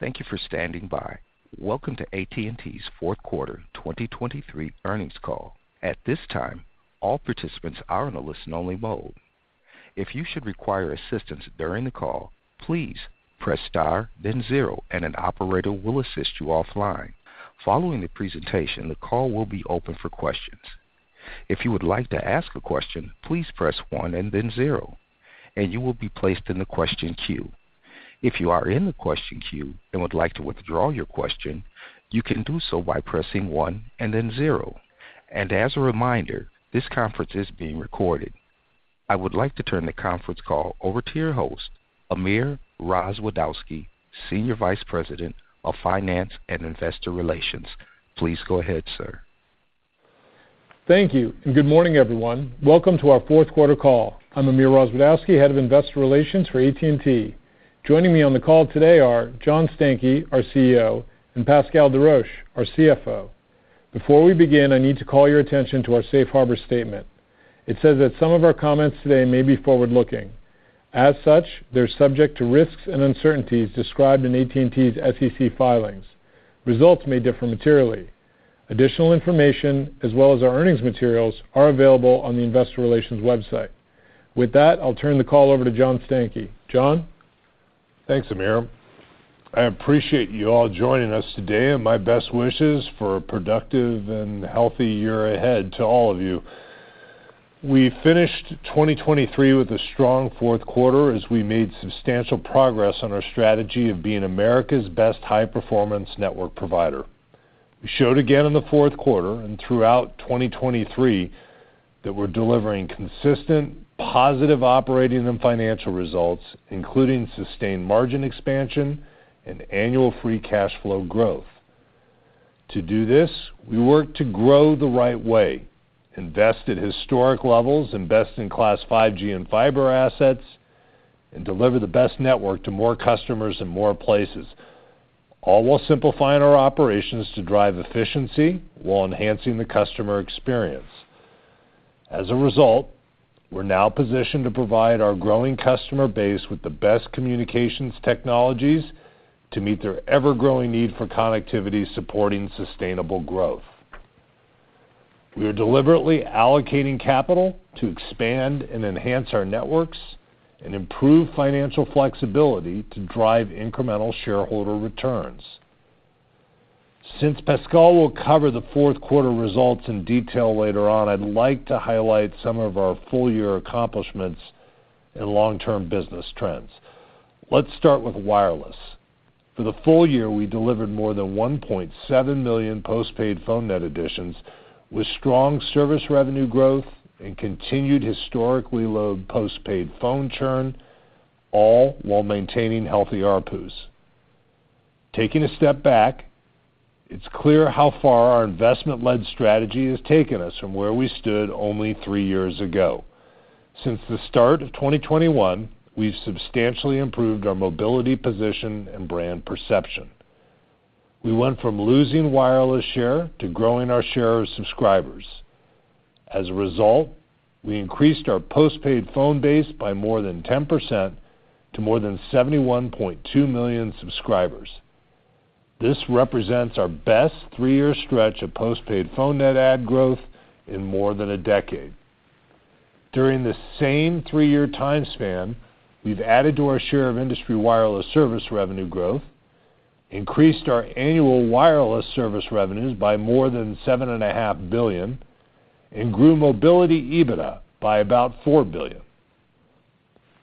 Thank you for standing by. Welcome to AT&T's fourth quarter 2023 earnings call. At this time, all participants are in a listen-only mode. If you should require assistance during the call, please press star, then zero, and an operator will assist you offline. Following the presentation, the call will be open for questions. If you would like to ask a question, please press one and then zero, and you will be placed in the question queue. If you are in the question queue and would like to withdraw your question, you can do so by pressing one and then zero. As a reminder, this conference is being recorded. I would like to turn the conference call over to your host, Amir Rozwadowski, Senior Vice President of Finance and Investor Relations. Please go ahead, sir. Thank you, and good morning, everyone. Welcome to our fourth quarter call. I'm Amir Rozwadowski, Head of Investor Relations for AT&T. Joining me on the call today are John Stankey, our CEO, and Pascal Desroches, our CFO. Before we begin, I need to call your attention to our safe harbor statement. It says that some of our comments today may be forward-looking. As such, they're subject to risks and uncertainties described in AT&T's SEC filings. Results may differ materially. Additional information, as well as our earnings materials, are available on the Investor Relations website. With that, I'll turn the call over to John Stankey. John? Thanks, Amir. I appreciate you all joining us today, and my best wishes for a productive and healthy year ahead to all of you. We finished 2023 with a strong fourth quarter as we made substantial progress on our strategy of being America's best high-performance network provider. We showed again in the fourth quarter and throughout 2023, that we're delivering consistent, positive operating and financial results, including sustained margin expansion and annual Free Cash Flow growth. to do this, we work to grow the right way, invest at historic levels, invest in world-class 5G and fiber assets, and deliver the best network to more customers in more places, all while simplifying our operations to drive efficiency while enhancing the customer experience. As a result, we're now positioned to provide our growing customer base with the best communications technologies to meet their ever-growing need for connectivity, supporting sustainable growth. We are deliberately allocating capital to expand and enhance our networks and improve financial flexibility to drive incremental shareholder returns. Since Pascal will cover the fourth quarter results in detail later on, I'd like to highlight some of our full-year accomplishments and long-term business trends. Let's start with wireless. For the full year, we delivered more than 1.7 million postpaid phone net additions, with strong service revenue growth and continued historically low postpaid phone churn, all while maintaining healthy ARPUs. Taking a step back, it's clear how far our investment-led strategy has taken us from where we stood only three years ago. Since the start of 2021, we've substantially improved our mobility position, and brand perception. We went from losing wireless share to growing our share of subscribers. As a result, we increased our postpaid phone base by more than 10% to more than 71.2 million subscribers. This represents our best three-year stretch of postpaid phone net add growth in more than a decade. During the same three-year time span, we've added to our share of industry wireless service revenue growth, increased our annual wireless service revenues by more than $7.5 billion, and grew mobility EBITDA by about $4 billion.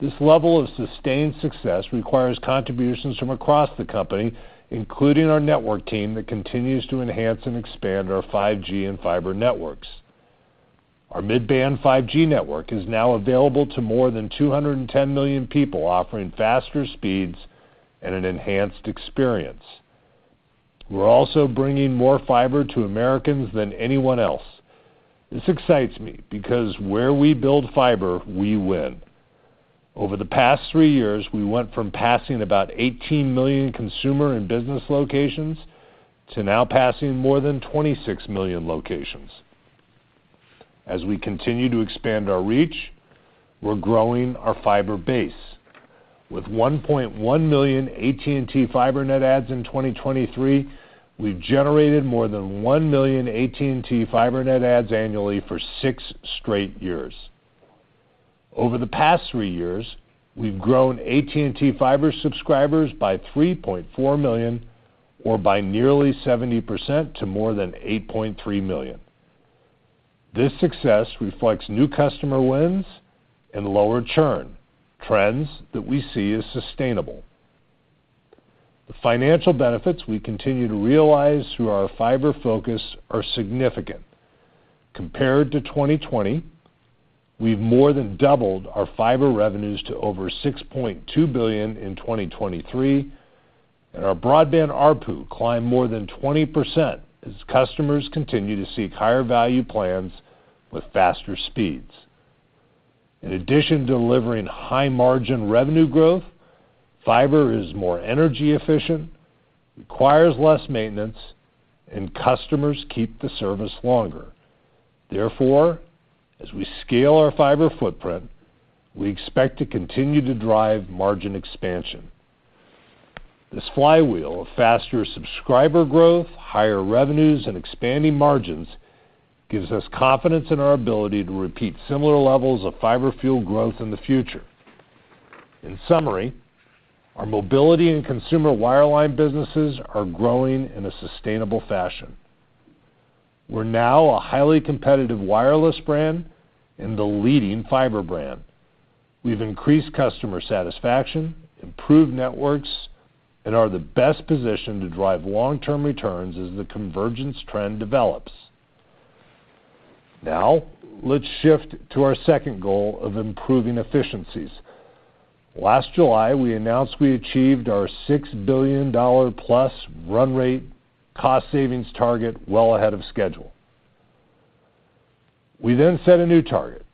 This level of sustained success requires contributions from across the company, including our network team, that continues to enhance and expand our 5G and fiber networks. Our mid-band 5G network is now available to more than 210 million people, offering faster speeds and an enhanced experience. We're also bringing more fiber to Americans than anyone else. This excites me because where we build fiber, we win. Over the past three years, we went from passing about 18 million consumer and business locations to now passing more than 26 million locations. As we continue to expand our reach, we're growing our fiber base. With 1.1 million AT&T Fiber net adds in 2023, we've generated more than 1 million AT&T Fiber net adds annually for six straight years. Over the past three years, we've grown AT&T Fiber subscribers by 3.4 million or by nearly 70% to more than 8.3 million. This success reflects new customer wins and lower churn, trends that we see as sustainable. The financial benefits we continue to realize through our fiber focus are significant. Compared to 2020, we've more than doubled our fiber revenues to over $6.2 billion in 2023, and our broadband ARPU climbed more than 20% as customers continue to seek higher-value plans with faster speeds. In addition to delivering high-margin revenue growth, fiber is more energy efficient, requires less maintenance, and customers keep the service longer. Therefore, as we scale our fiber footprint, we expect to continue to drive margin expansion. This flywheel of faster subscriber growth, higher revenues, and expanding margins gives us confidence in our ability to repeat similar levels of fiber-fueled growth in the future. In summary, our mobility and consumer wireline businesses are growing in a sustainable fashion. We're now a highly competitive wireless brand and the leading fiber brand. We've increased customer satisfaction, improved networks, and are the best positioned to drive long-term returns as the convergence trend develops. Now, let's shift to our second goal of improving efficiencies. Last July, we announced we achieved our $6 billion+ run rate cost savings target well ahead of schedule. We then set a new target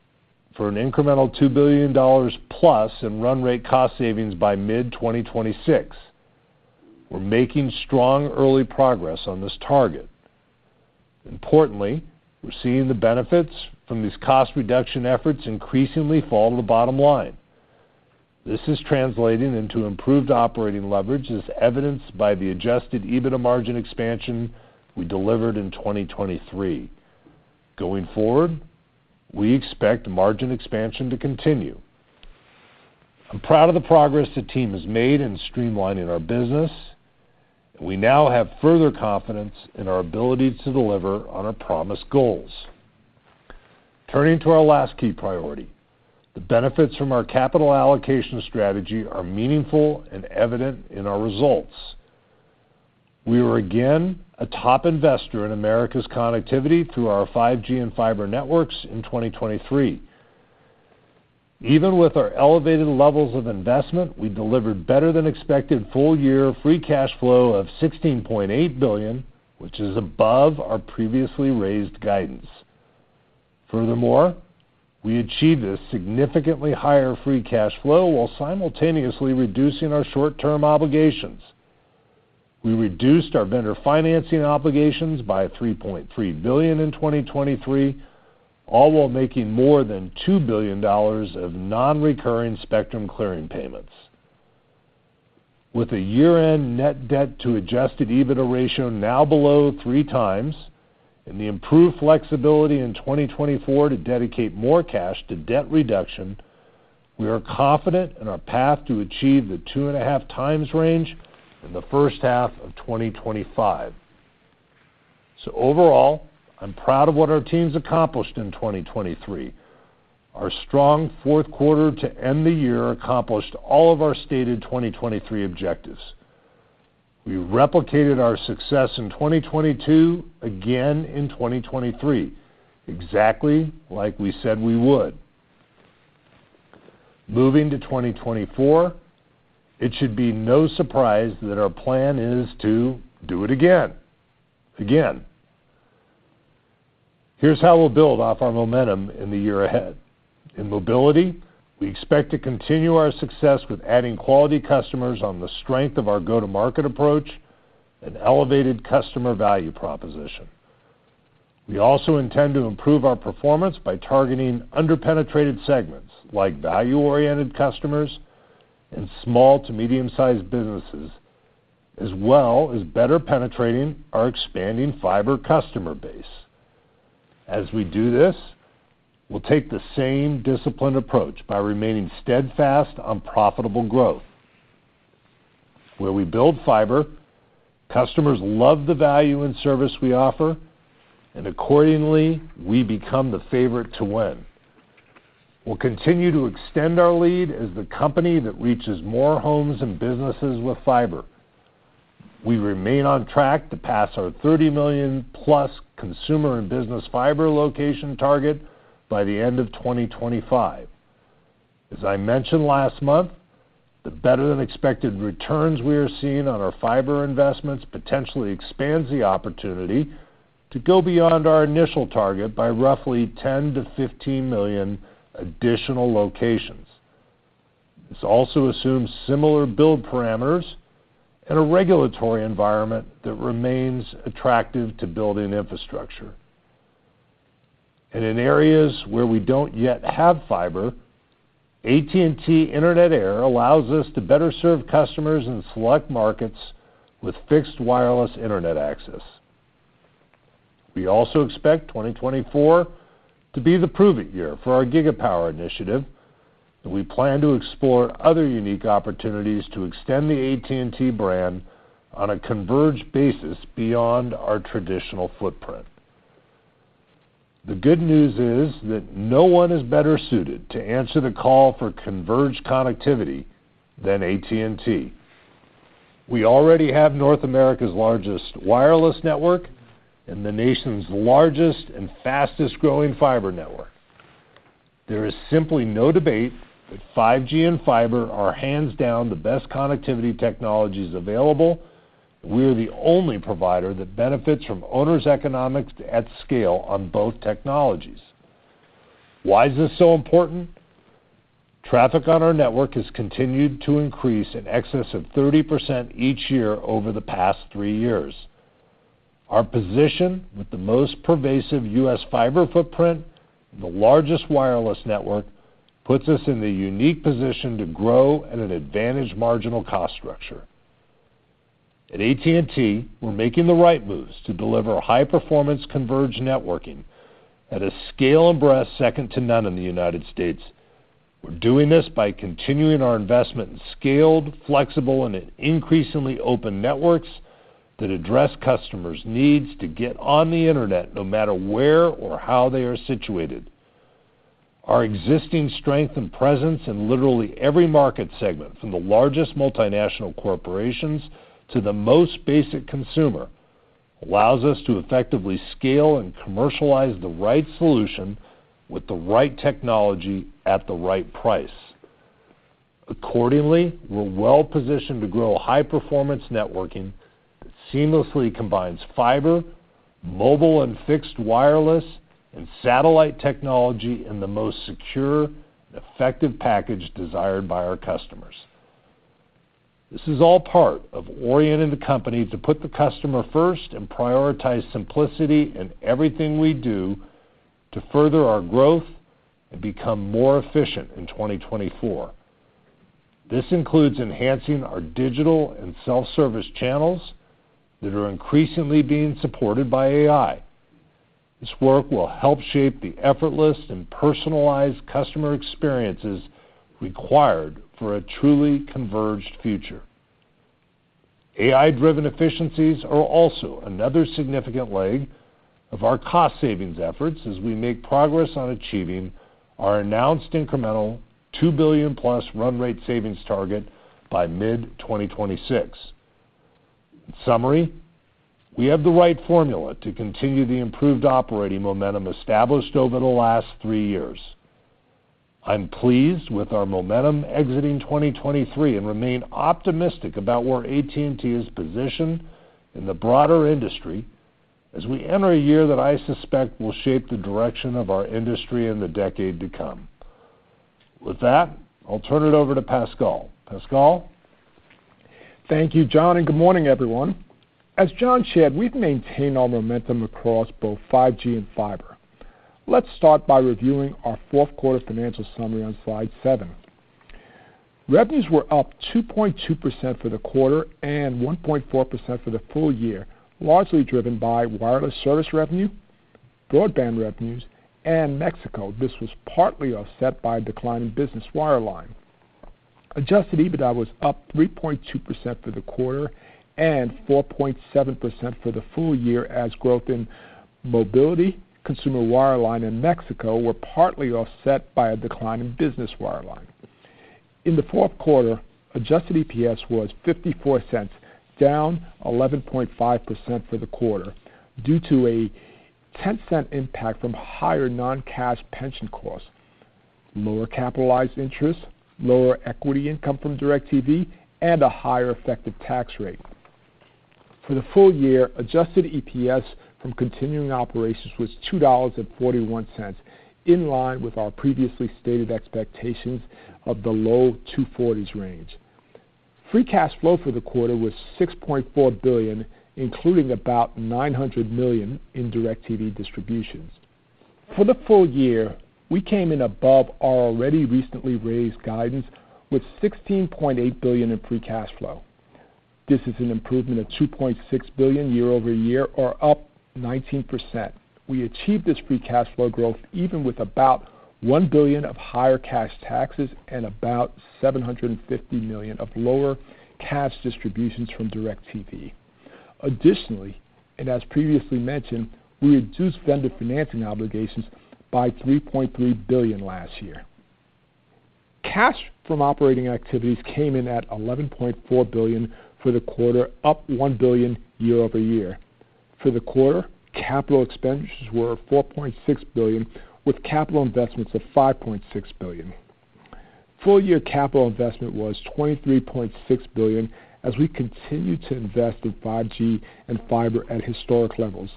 for an incremental $2 billion+ in run rate cost savings by mid-2026. We're making strong early progress on this target. Importantly, we're seeing the benefits from these cost reduction efforts increasingly fall to the bottom line. This is translating into improved operating leverage, as evidenced by the adjusted EBITDA margin expansion we delivered in 2023. Going forward, we expect margin expansion to continue. I'm proud of the progress the team has made in streamlining our business. We now have further confidence in our ability to deliver on our promised goals. Turning to our last key priority, the benefits from our capital allocation strategy are meaningful and evident in our results. We were again a top investor in America's connectivity through our 5G and fiber networks in 2023. Even with our elevated levels of investment, we delivered better than expected full year Free Cash Flow of $16.8 billion, which is above our previously raised guidance. Furthermore, we achieved a significantly higher Free Cash Flow while simultaneously reducing our short-term obligations. We reduced our vendor financing obligations by $3.3 billion in 2023, all while making more than $2 billion of nonrecurring spectrum clearing payments. With a year-end net debt to adjusted EBITDA ratio now below 3x and the improved flexibility in 2024 to dedicate more cash to debt reduction, we are confident in our path to achieve the 2.5x range in the first half of 2025. So overall, I'm proud of what our team's accomplished in 2023. Our strong fourth quarter to end the year accomplished all of our stated 2023 objectives. We replicated our success in 2022 again in 2023, exactly like we said we would. Moving to 2024, it should be no surprise that our plan is to do it again. Again. Here's how we'll build off our momentum in the year ahead. In mobility, we expect to continue our success with adding quality customers on the strength of our go-to-market approach and elevated customer value proposition. We also intend to improve our performance by targeting under-penetrated segments, like value-oriented customers and small to medium-sized businesses, as well as better penetrating our expanding fiber customer base. As we do this, we'll take the same disciplined approach by remaining steadfast on profitable growth. Where we build fiber, customers love the value and service we offer, and accordingly, we become the favorite to win. We'll continue to extend our lead as the company that reaches more homes and businesses with fiber. We remain on track to pass our 30 million+ consumer and business fiber location target by the end of 2025. As I mentioned last month, the better-than-expected returns we are seeing on our fiber investments potentially expands the opportunity to go beyond our initial target by roughly 10 million-15 million additional locations. This also assumes similar build parameters and a regulatory environment that remains attractive to building infrastructure. And in areas where we don't yet have fiber, AT&T Internet Air allows us to better serve customers in select markets with fixed wireless internet access. We also expect 2024 to be the proving year for our Gigapower initiative, and we plan to explore other unique opportunities to extend the AT&T brand on a converged basis beyond our traditional footprint. The good news is that no one is better suited to answer the call for converged connectivity than AT&T. We already have North America's largest wireless network and the nation's largest and fastest-growing fiber network. There is simply no debate that 5G and fiber are, hands down, the best connectivity technologies available. We are the only provider that benefits from owners' economics at scale on both technologies. Why is this so important? Traffic on our network has continued to increase in excess of 30% each year over the past 3 years. Our position with the most pervasive U.S. fiber footprint and the largest wireless network, puts us in the unique position to grow at an advantage marginal cost structure. At AT&T, we're making the right moves to deliver high-performance converged networking at a scale and breadth, second to none in the United States. We're doing this by continuing our investment in scaled, flexible, and increasingly open networks that address customers' needs to get on the internet, no matter where or how they are situated. Our existing strength and presence in literally every market segment, from the largest multinational corporations to the most basic consumer, allows us to effectively scale and commercialize the right solution with the right technology at the right price. Accordingly, we're well-positioned to grow high-performance networking that seamlessly combines fiber, mobile, and fixed wireless, and satellite technology in the most secure and effective package desired by our customers. This is all part of orienting the company to put the customer first and prioritize simplicity in everything we do to further our growth and become more efficient in 2024. This includes enhancing our digital and self-service channels that are increasingly being supported by AI. This work will help shape the effortless and personalized customer experiences required for a truly converged future. AI-driven efficiencies are also another significant leg of our cost savings efforts as we make progress on achieving our announced incremental $2 billion+ run rate savings target by mid-2026. In summary, we have the right formula to continue the improved operating momentum established over the last three years. I'm pleased with our momentum exiting 2023 and remain optimistic about where AT&T is positioned in the broader industry as we enter a year that I suspect will shape the direction of our industry in the decade to come. With that, I'll turn it over to Pascal. Pascal? Thank you, John, and good morning, everyone. As John shared, we've maintained our momentum across both 5G and fiber. Let's start by reviewing our fourth-quarter financial summary on slide seven. Revenues were up 2.2% for the quarter and 1.4% for the full year, largely driven by wireless service revenue, broadband revenues, and Mexico. This was partly offset by a decline in business wireline. Adjusted EBITDA was up 3.2% for the quarter and 4.7% for the full year, as growth in mobility, consumer wireline, and Mexico were partly offset by a decline in business wireline. In the fourth quarter, adjusted EPS was $0.54, down 11.5% for the quarter due to a $0.10 impact from higher non-cash pension costs, lower capitalized interest, lower equity income from DIRECTV, and a higher effective tax rate. For the full year, adjusted EPS from continuing operations was $2.41, in line with our previously stated expectations of the low $2.40s range. Free Cash Flow for the quarter was $6.4 billion, including about $900 million in DIRECTV distributions. For the full year, we came in above our already recently raised guidance with $16.8 billion of Free Cash Flow. this is an improvement of $2.6 billion year-over-year, or up 19%. We achieved this Free Cash Flow growth even with about $1 billion of higher cash taxes and about $750 million of lower cash distributions from DIRECTV. Additionally, and as previously mentioned, we reduced vendor financing obligations by $3.3 billion last year. Cash from operating activities came in at $11.4 billion for the quarter, up $1 billion year-over-year. For the quarter, capital expenditures were $4.6 billion, with capital investments of $5.6 billion. Full-year capital investment was $23.6 billion, as we continued to invest in 5G and fiber at historic levels.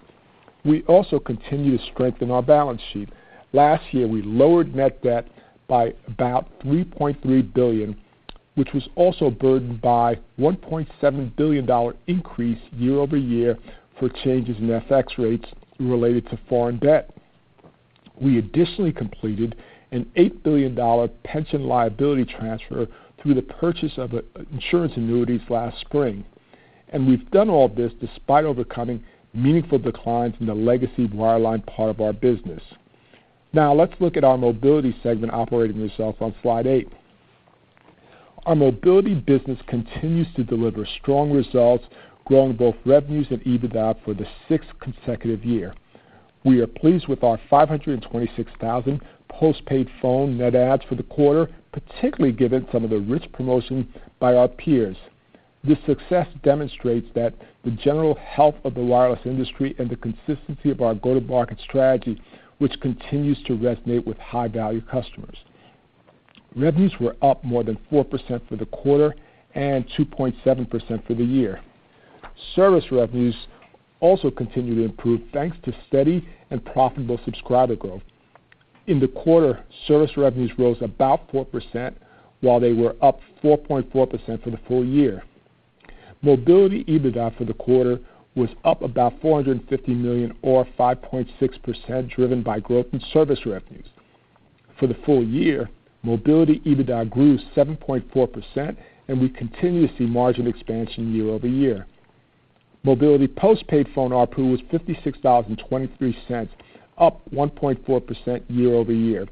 We also continued to strengthen our balance sheet. Last year, we lowered net debt by about $3.3 billion, which was also burdened by $1.7 billion increase year-over-year for changes in FX rates related to foreign debt. We additionally completed an $8 billion pension liability transfer through the purchase of insurance annuities last spring, and we've done all this despite overcoming meaningful declines in the legacy wireline part of our business. Now, let's look at our mobility segment operating results on slide 8. Our mobility business continues to deliver strong results, growing both revenues and EBITDA for the sixth consecutive year. We are pleased with our 526,000 postpaid phone net adds for the quarter, particularly given some of the rich promotions by our peers. This success demonstrates that the general health of the wireless industry and the consistency of our go-to-market strategy, which continues to resonate with high-value customers. Revenues were up more than 4% for the quarter and 2.7% for the year. Service revenues also continue to improve, thanks to steady and profitable subscriber growth. In the quarter, service revenues rose about 4%, while they were up 4.4% for the full year. Mobility EBITDA for the quarter was up about $450 million, or 5.6%, driven by growth in service revenues. For the full year, mobility EBITDA grew 7.4%, and we continue to see margin expansion year-over-year. Mobility postpaid phone ARPU was $56.23, up 1.4% year-over-year.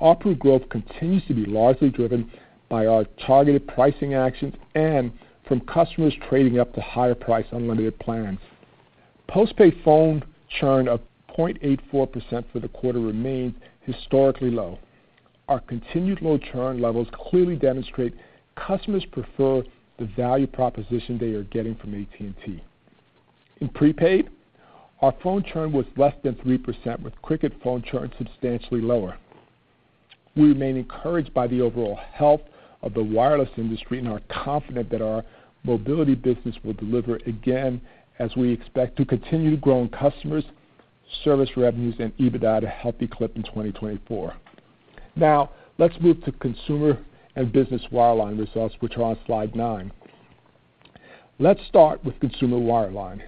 ARPU growth continues to be largely driven by our targeted pricing actions and from customers trading up to higher price unlimited plans. Postpaid phone churn of 0.84% for the quarter remained historically low. Our continued low churn levels clearly demonstrate customers prefer the value proposition they are getting from AT&T. In prepaid, our phone churn was less than 3%, with Cricket phone churn substantially lower. We remain encouraged by the overall health of the wireless industry and are confident that our mobility business will deliver again, as we expect to continue growing customers, service revenues, and EBITDA at a healthy clip in 2024. Now, let's move to consumer and business wireline results, which are on slide 9. Let's start with consumer wireline.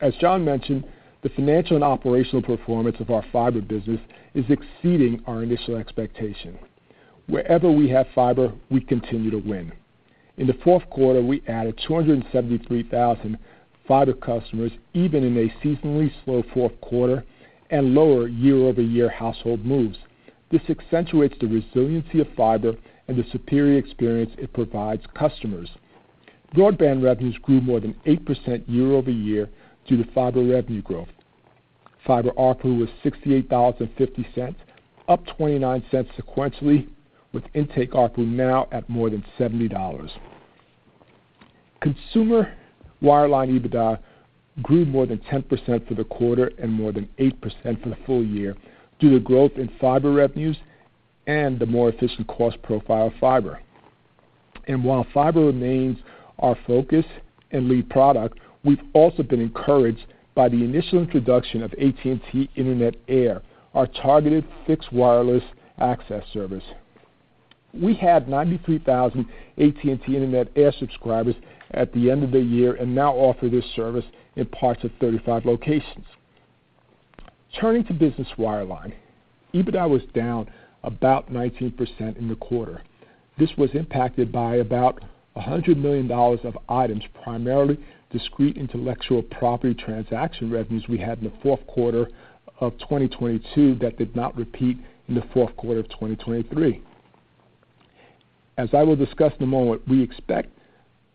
As John mentioned, the financial and operational performance of our fiber business is exceeding our initial expectation. Wherever we have fiber, we continue to win. In the fourth quarter, we added 273,000 fiber customers, even in a seasonally slow fourth quarter and lower year-over-year household moves. This accentuates the resiliency of fiber and the superior experience it provides customers. Broadband revenues grew more than 8% year-over-year due to fiber revenue growth. Fiber ARPU was $68.50, up $0.29 sequentially, with intake ARPU now at more than $70. Consumer wireline EBITDA grew more than 10% for the quarter and more than 8% for the full year, due to growth in fiber revenues and the more efficient cost profile of fiber. While fiber remains our focus and lead product, we've also been encouraged by the initial introduction of AT&T Internet Air, our targeted fixed wireless access service. We had 93,000 AT&T Internet Air subscribers at the end of the year and now offer this service in parts of 35 locations. Turning to business wireline, EBITDA was down about 19% in the quarter. This was impacted by about $100 million of items, primarily discrete intellectual property transaction revenues we had in the fourth quarter of 2022 that did not repeat in the fourth quarter of 2023. As I will discuss in a moment, we expect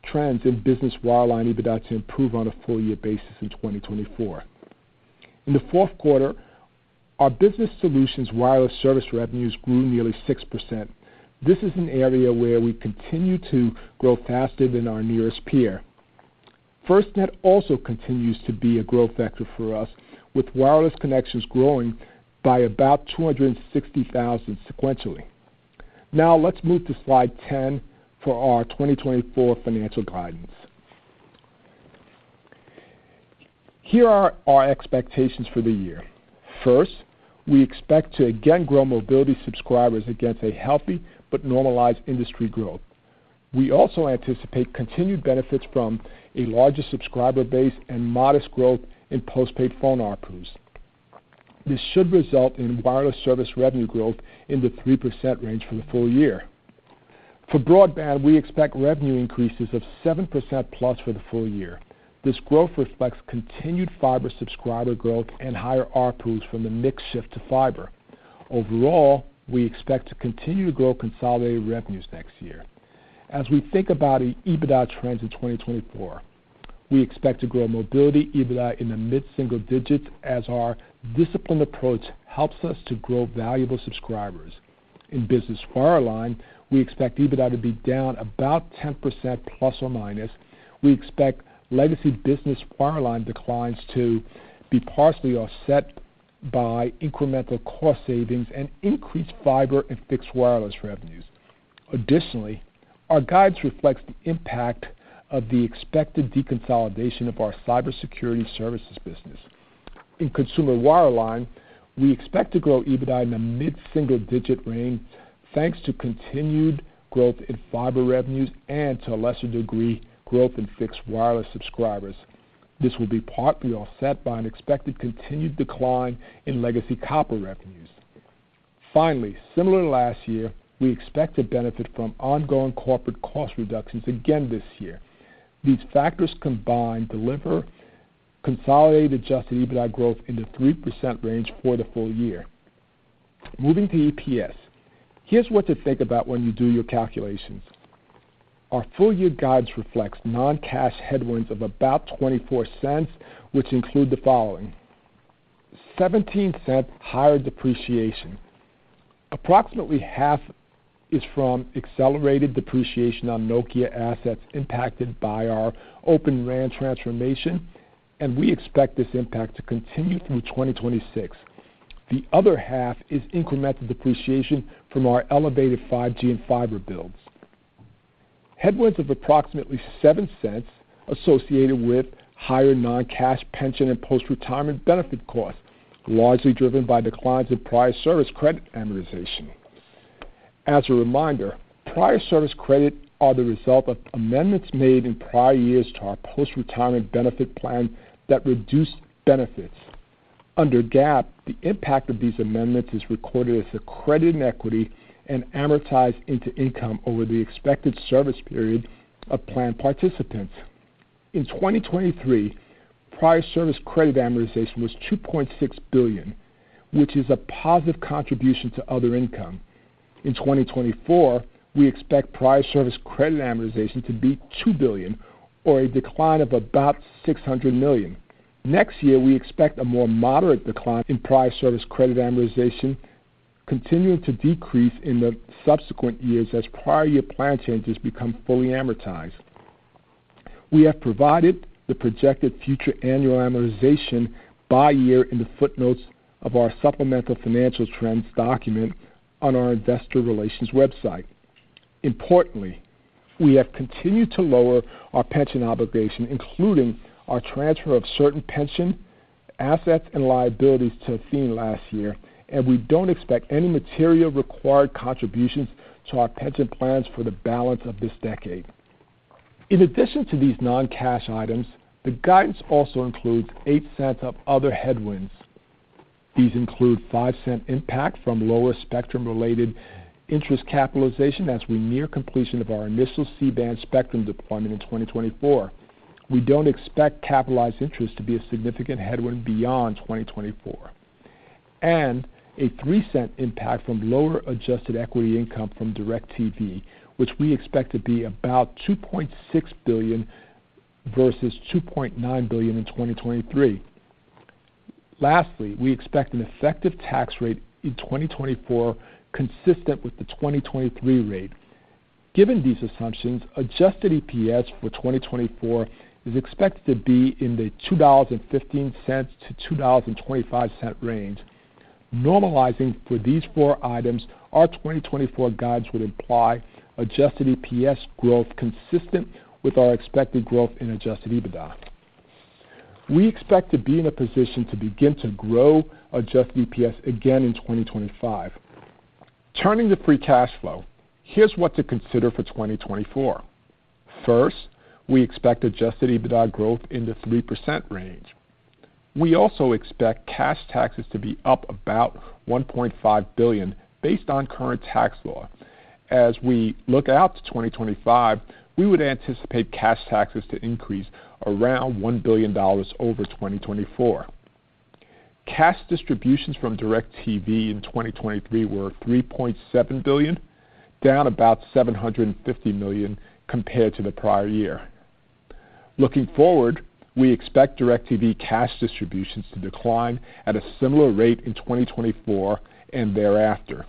trends in business wireline EBITDA to improve on a full year basis in 2024. In the fourth quarter, our business solutions wireless service revenues grew nearly 6%. This is an area where we continue to grow faster than our nearest peer. FirstNet also continues to be a growth vector for us, with wireless connections growing by about 260,000 sequentially. Now, let's move to slide 10 for our 2024 financial guidance. Here are our expectations for the year. First, we expect to again grow mobility subscribers against a healthy but normalized industry growth. We also anticipate continued benefits from a larger subscriber base and modest growth in postpaid phone ARPUs. This should result in wireless service revenue growth in the 3% range for the full year. For broadband, we expect revenue increases of 7%+ for the full year. This growth reflects continued fiber subscriber growth and higher ARPUs from the mix shift to fiber. Overall, we expect to continue to grow consolidated revenues next year. As we think about the EBITDA trends in 2024, we expect to grow mobility EBITDA in the mid-single digits, as our disciplined approach helps us to grow valuable subscribers. In business wireline, we expect EBITDA to be down about 10% ±. We expect legacy business wireline declines to be partially offset by incremental cost savings and increased fiber and fixed wireless revenues. Additionally, our guidance reflects the impact of the expected deconsolidation of our cybersecurity services business. In consumer wireline, we expect to grow EBITDA in the mid-single-digit range, thanks to continued growth in fiber revenues and, to a lesser degree, growth in fixed wireless subscribers. This will be partly offset by an expected continued decline in legacy copper revenues. Finally, similar to last year, we expect to benefit from ongoing corporate cost reductions again this year. These factors combined deliver consolidated adjusted EBITDA growth in the 3% range for the full year. Moving to EPS, here's what to think about when you do your calculations. Our full year guidance reflects non-cash headwinds of about $0.24, which include the following: $0.17 higher depreciation. Approximately half is from accelerated depreciation on Nokia assets impacted by our Open RAN transformation, and we expect this impact to continue through 2026. The other half is incremental depreciation from our elevated 5G and fiber builds. Headwinds of approximately $0.07 associated with higher non-cash pension and post-retirement benefit costs, largely driven by declines in prior service credit amortization. As a reminder, prior service credit are the result of amendments made in prior years to our post-retirement benefit plan that reduced benefits. Under GAAP, the impact of these amendments is recorded as a credit and equity and amortized into income over the expected service period of plan participants. In 2023, prior service credit amortization was $2.6 billion, which is a positive contribution to other income. In 2024, we expect prior service credit amortization to be $2 billion, or a decline of about $600 million. Next year, we expect a more moderate decline in prior service credit amortization, continuing to decrease in the subsequent years as prior year plan changes become fully amortized. We have provided the projected future annual amortization by year in the footnotes of our supplemental financial trends document on our investor relations website. Importantly, we have continued to lower our pension obligation, including our transfer of certain pension assets and liabilities to Athene last year, and we don't expect any material required contributions to our pension plans for the balance of this decade. In addition to these non-cash items, the guidance also includes $0.08 of other headwinds. These include $0.05 impact from lower spectrum-related interest capitalization as we near completion of our initial C-band spectrum deployment in 2024. We don't expect capitalized interest to be a significant headwind beyond 2024, and $0.03 impact from lower adjusted equity income from DIRECTV, which we expect to be about $2.6 billion versus $2.9 billion in 2023. Lastly, we expect an effective tax rate in 2024, consistent with the 2023 rate. Given these assumptions, adjusted EPS for 2024 is expected to be in the $2.15-$2.25 range. Normalizing for these four items, our 2024 guides would imply adjusted EPS growth consistent with our expected growth in adjusted EBITDA. We expect to be in a position to begin to grow adjusted EPS again in 2025. Turning to Free Cash Flow, here's what to consider for 2024. First, we expect adjusted EBITDA growth in the 3% range. We also expect cash taxes to be up about $1.5 billion based on current tax law. As we look out to 2025, we would anticipate cash taxes to increase around $1 billion over 2024. Cash distributions from DIRECTV in 2023 were $3.7 billion, down about $750 million compared to the prior year. Looking forward, we expect DIRECTV cash distributions to decline at a similar rate in 2024 and thereafter.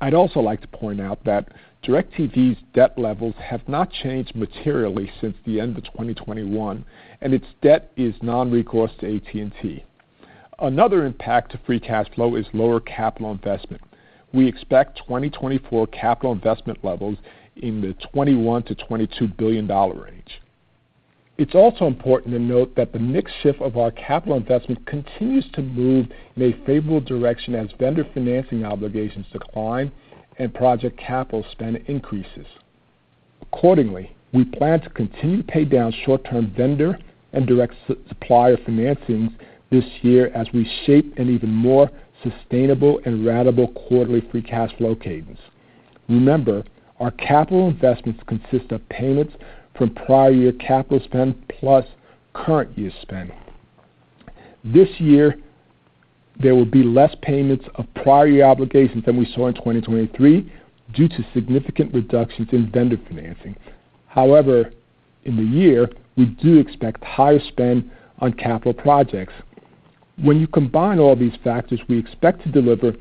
I'd also like to point out that DIRECTV's debt levels have not changed materially since the end of 2021, and its debt is non-recourse to AT&T. Another impact of Free Cash Flow is lower capital investment. We expect 2024 capital investment levels in the $21 billion-$22 billion range. It's also important to note that the mix shift of our capital investment continues to move in a favorable direction as vendor financing obligations decline and project capital spend increases. Accordingly, we plan to continue to pay down short-term vendor and direct supplier financings this year as we shape an even more sustainable and ratable quarterly Free Cash Flow cadence. remember, our capital investments consist of payments from prior year capital spend plus current year spend. This year, there will be less payments of prior year obligations than we saw in 2023 due to significant reductions in vendor financing. However, in the year, we do expect higher spend on capital projects. When you combine all these factors, we expect to deliver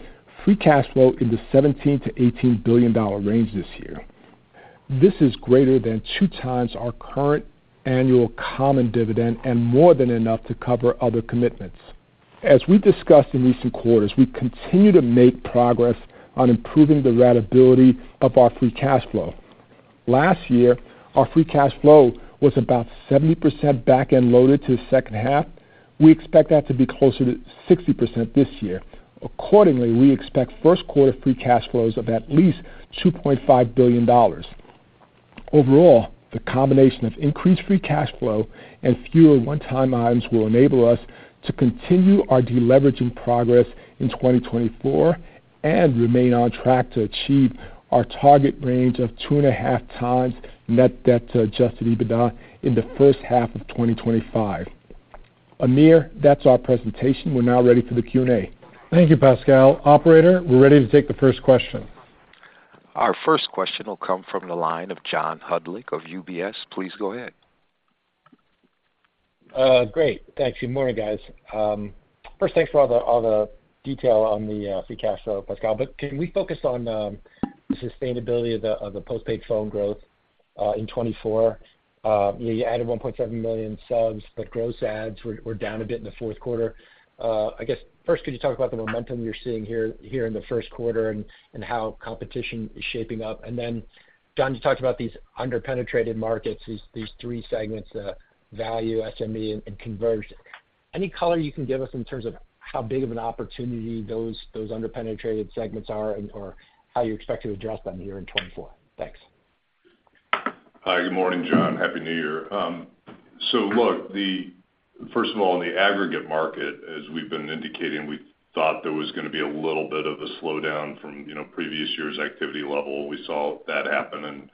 Free Cash Flow in the $17 billion-$18 billion range this year. This is greater than 2x our current annual common dividend and more than enough to cover other commitments. As we discussed in recent quarters, we continue to make progress on improving the ratability of our Free Cash Flow. Last year our Free Cash Flow was about 70% back-end loaded to the second half. We expect that to be closer to 60% this year. Accordingly, we expect first quarter Free Cash Flows of at least $2.5 billion. Overall, the combination of increased Free Cash Flow and fewer one-time items will enable us to continue our deleveraging progress in 2024, and remain on track to achieve our target range of 2.5x net debt to adjusted EBITDA in the first half of 2025. Amir, that's our presentation. We're now ready for the Q&A. Thank you, Pascal. Operator, we're ready to take the first question. Our first question will come from the line of John Hodulik of UBS. Please go ahead. Great. Thanks. Good morning, guys. First, thanks for all the detail on the Free Cash Flow, Pascal, but can we focus on the sustainability of the postpaid phone growth? In 2024. You added 1.7 million subs, but gross adds were down a bit in the fourth quarter. I guess, first, could you talk about the momentum you're seeing here in the first quarter and how competition is shaping up? And then, John, you talked about these under-penetrated markets, these three segments, value, SME, and conversion. Any color you can give us in terms of how big of an opportunity those under-penetrated segments are, and or how you expect to address them here in 2024? Thanks. Hi, good morning, John. Happy New Year. So look, first of all, in the aggregate market, as we've been indicating, we thought there was gonna be a little bit of a slowdown from, you know, previous year's activity level. We saw that happen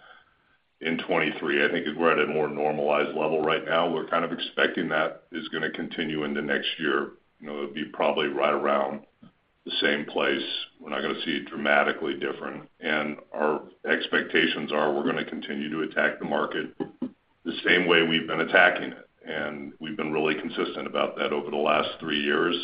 in 2023. I think we're at a more normalized level right now. We're kind of expecting that is gonna continue into next year. You know, it'll be probably right around the same place. We're not gonna see it dramatically different, and our expectations are we're gonna continue to attack the market the same way we've been attacking it. We've been really consistent about that over the last three years,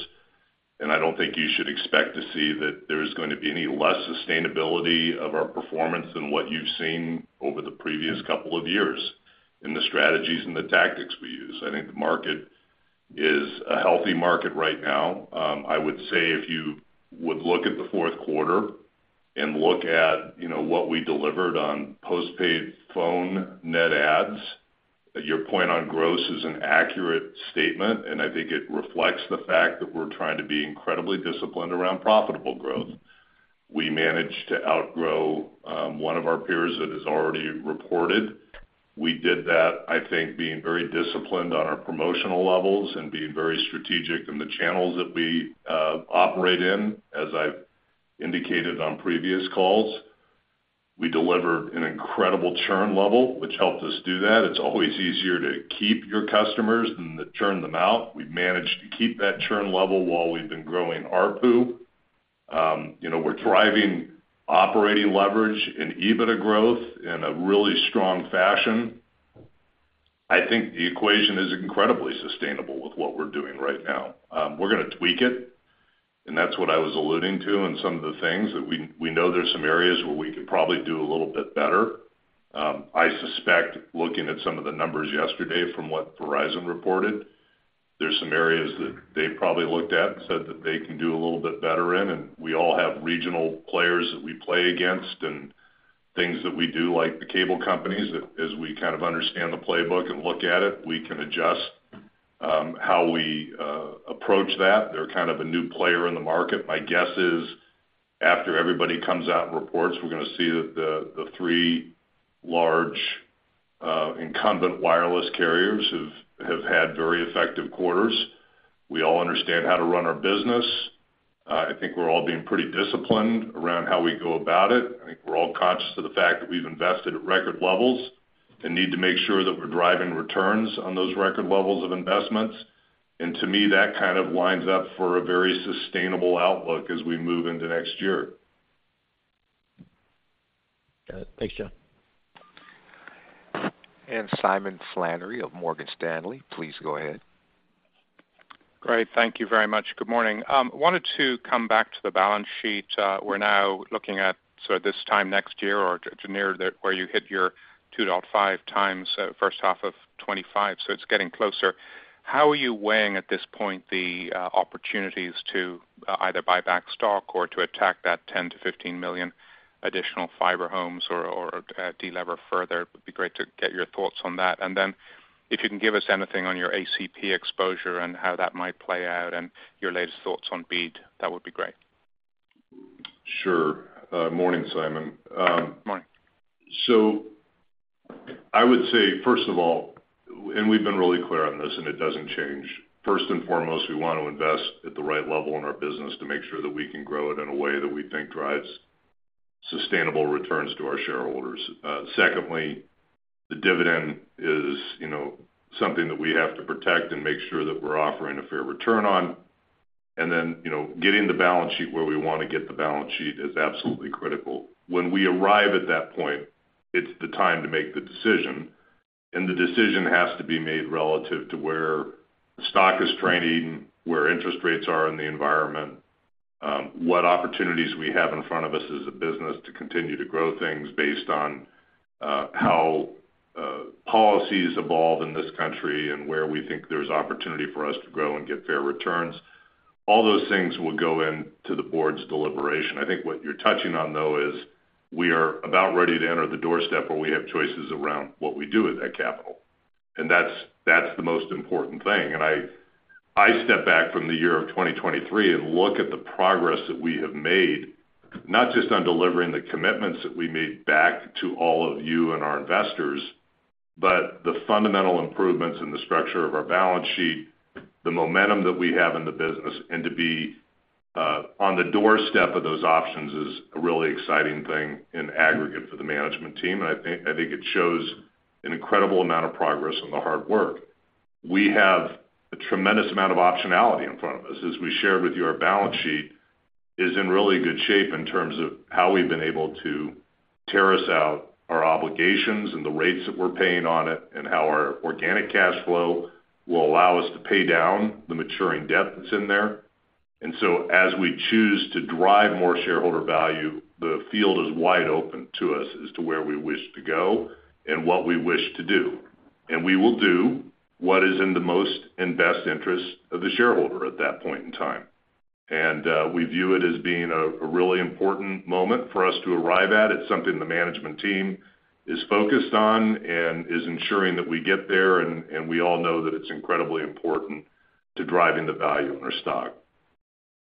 and I don't think you should expect to see that there's gonna be any less sustainability of our performance than what you've seen over the previous couple of years, in the strategies and the tactics we use. I think the market is a healthy market right now. I would say if you would look at the fourth quarter and look at, you know, what we delivered on postpaid phone net adds, your point on gross is an accurate statement, and I think it reflects the fact that we're trying to be incredibly disciplined around profitable growth. We managed to outgrow one of our peers that has already reported. We did that, I think, being very disciplined on our promotional levels and being very strategic in the channels that we operate in, as I've indicated on previous calls. We delivered an incredible churn level, which helped us do that. It's always easier to keep your customers than to churn them out. We've managed to keep that churn level while we've been growing ARPU. You know, we're driving operating leverage and EBITDA growth in a really strong fashion. I think the equation is incredibly sustainable with what we're doing right now. We're gonna tweak it, and that's what I was alluding to, and some of the things that we know there's some areas where we could probably do a little bit better. I suspect, looking at some of the numbers yesterday from what Verizon reported, there's some areas that they probably looked at and said that they can do a little bit better in, and we all have regional players that we play against and things that we do, like the cable companies, that as we kind of understand the playbook and look at it, we can adjust how we approach that. They're kind of a new player in the market. My guess is, after everybody comes out and reports, we're gonna see that the three large incumbent wireless carriers have had very effective quarters. We all understand how to run our business. I think we're all being pretty disciplined around how we go about it. I think we're all conscious of the fact that we've invested at record levels and need to make sure that we're driving returns on those record levels of investments. And to me, that kind of lines up for a very sustainable outlook as we move into next year. Got it. Thanks, John. Simon Flannery of Morgan Stanley, please go ahead. Great. Thank you very much. Good morning. Wanted to come back to the balance sheet. We're now looking at, so this time next year or to near the, where you hit your 2.5x, first half of 2025, so it's getting closer. How are you weighing, at this point, the, opportunities to, either buy back stock or to attack that 10 million-15 million additional fiber homes or, delever further? It would be great to get your thoughts on that. And then, if you can give us anything on your ACP exposure and how that might play out and your latest thoughts on BEAD, that would be great. Sure. Morning, Simon. Morning. So I would say, first of all, and we've been really clear on this, and it doesn't change. First and foremost, we want to invest at the right level in our business to make sure that we can grow it in a way that we think drives sustainable returns to our shareholders. Secondly, the dividend is, you know, something that we have to protect and make sure that we're offering a fair return on. And then, you know, getting the balance sheet where we want to get the balance sheet is absolutely critical. When we arrive at that point, it's the time to make the decision, and the decision has to be made relative to where stock is trading, where interest rates are in the environment, what opportunities we have in front of us as a business to continue to grow things based on how policies evolve in this country and where we think there's opportunity for us to grow and get fair returns. All those things will go into the board's deliberation. I think what you're touching on, though, is we are about ready to enter the doorstep, where we have choices around what we do with that capital, and that's, that's the most important thing. I step back from the year of 2023 and look at the progress that we have made, not just on delivering the commitments that we made back to all of you and our investors, but the fundamental improvements in the structure of our balance sheet, the momentum that we have in the business, and to be on the doorstep of those options is a really exciting thing in aggregate for the management team. I think, I think it shows an incredible amount of progress and the hard work. We have a tremendous amount of optionality in front of us. As we shared with you, our balance sheet is in really good shape in terms of how we've been able to terrace out our obligations and the rates that we're paying on it, and how our organic cash flow will allow us to pay down the maturing debt that's in there. And so as we choose to drive more shareholder value, the field is wide open to us as to where we wish to go and what we wish to do. And we will do what is in the most and best interest of the shareholder at that point in time. And we view it as being a really important moment for us to arrive at. It's something the management team is focused on and is ensuring that we get there, and we all know that it's incredibly important to driving the value in our stock.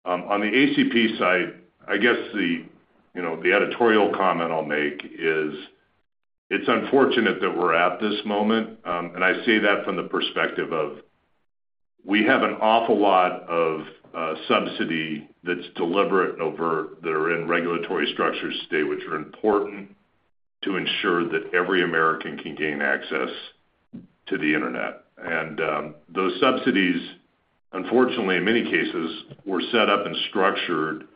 On the ACP side, I guess, you know, the editorial comment I'll make is, it's unfortunate that we're at this moment, and I say that from the perspective of, we have an awful lot of subsidy that's deliberate and overt, that are in regulatory structures today, which are important to ensure that every American can gain access to the internet. And, those subsidies, unfortunately, in many cases, were set up and structured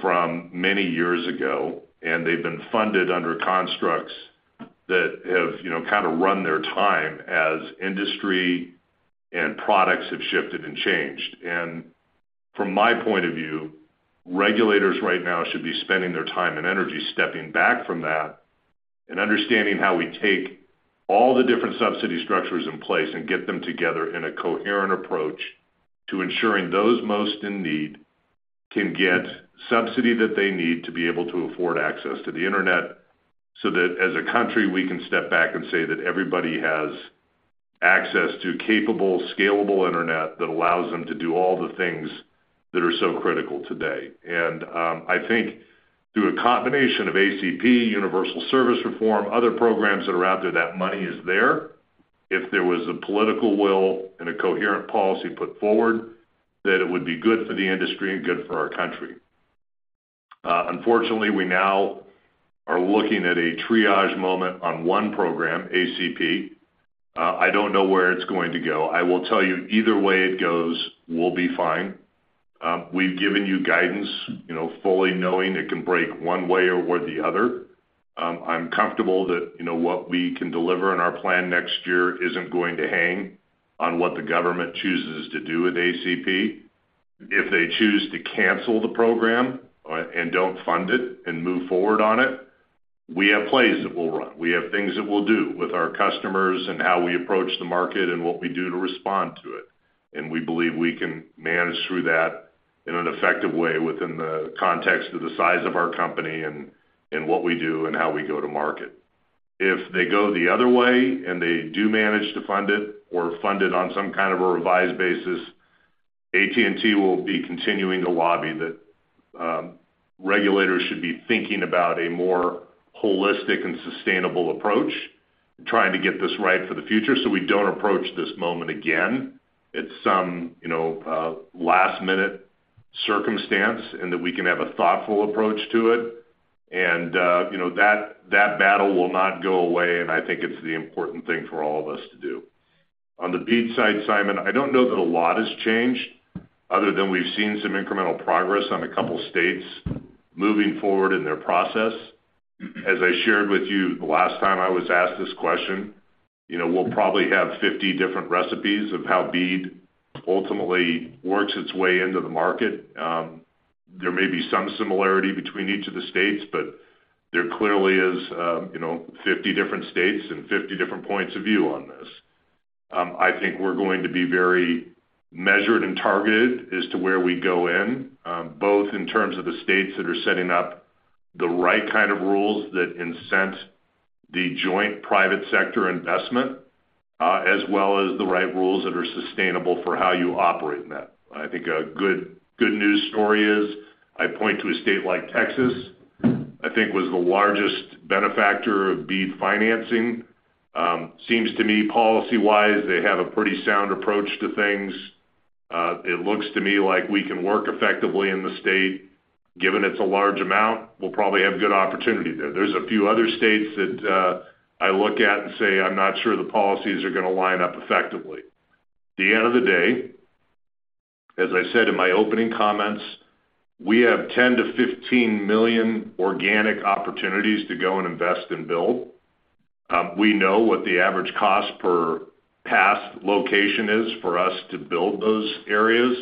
from many years ago, and they've been funded under constructs that have, you know, kind of run their time as industry and products have shifted and changed. From my point of view, regulators right now should be spending their time and energy stepping back from that and understanding how we take all the different subsidy structures in place and get them together in a coherent approach to ensuring those most in need can get subsidy that they need to be able to afford access to the internet, so that as a country, we can step back and say that everybody has access to capable, scalable internet that allows them to do all the things that are so critical today. I think through a combination of ACP, universal service reform, other programs that are out there, that money is there. If there was a political will and a coherent policy put forward, that it would be good for the industry and good for our country. Unfortunately, we now are looking at a triage moment on one program, ACP. I don't know where it's going to go. I will tell you, either way it goes, we'll be fine. We've given you guidance, you know, fully knowing it can break one way or the other. I'm comfortable that, you know, what we can deliver in our plan next year isn't going to hang on what the government chooses to do with ACP. If they choose to cancel the program, and don't fund it and move forward on it, we have plays that we'll run. We have things that we'll do with our customers and how we approach the market and what we do to respond to it, and we believe we can manage through that in an effective way within the context of the size of our company and, and what we do and how we go to market. If they go the other way, and they do manage to fund it or fund it on some kind of a revised basis, AT&T will be continuing to lobby that regulators should be thinking about a more holistic and sustainable approach, trying to get this right for the future so we don't approach this moment again. It's some, you know, last-minute circumstance, and that we can have a thoughtful approach to it, and, you know, that, that battle will not go away, and I think it's the important thing for all of us to do. On the BEAD side, Simon, I don't know that a lot has changed, other than we've seen some incremental progress on a couple of states moving forward in their process. As I shared with you the last time I was asked this question, you know, we'll probably have 50 different recipes of how BEAD ultimately works its way into the market. There may be some similarity between each of the states, but there clearly is, you know, 50 different states and 50 different points of view on this. I think we're going to be very measured and targeted as to where we go in, both in terms of the states that are setting up the right kind of rules that incent the joint private sector investment, as well as the right rules that are sustainable for how you operate in that. I think a good, good news story is, I point to a state like Texas, I think was the largest benefactor of BEAD financing. Seems to me, policy-wise, they have a pretty sound approach to things. It looks to me like we can work effectively in the state. Given it's a large amount, we'll probably have good opportunity there. There's a few other states that, I look at and say, I'm not sure the policies are gonna line up effectively. At the end of the day, as I said in my opening comments, we have 10 million-15 million organic opportunities to go and invest and build. We know what the average cost per passed location is for us to build those areas.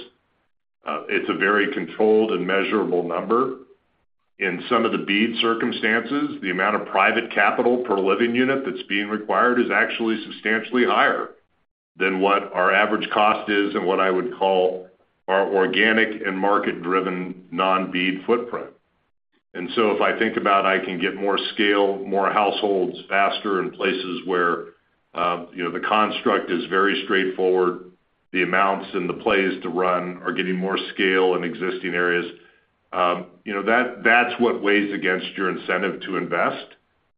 It's a very controlled and measurable number. In some of the BEAD circumstances, the amount of private capital per living unit that's being required is actually substantially higher than what our average cost is and what I would call our organic and market-driven non-BEAD footprint. And so if I think about I can get more scale, more households faster in places where, you know, the construct is very straightforward, the amounts and the plays to run are getting more scale in existing areas, you know, that, that's what weighs against your incentive to invest.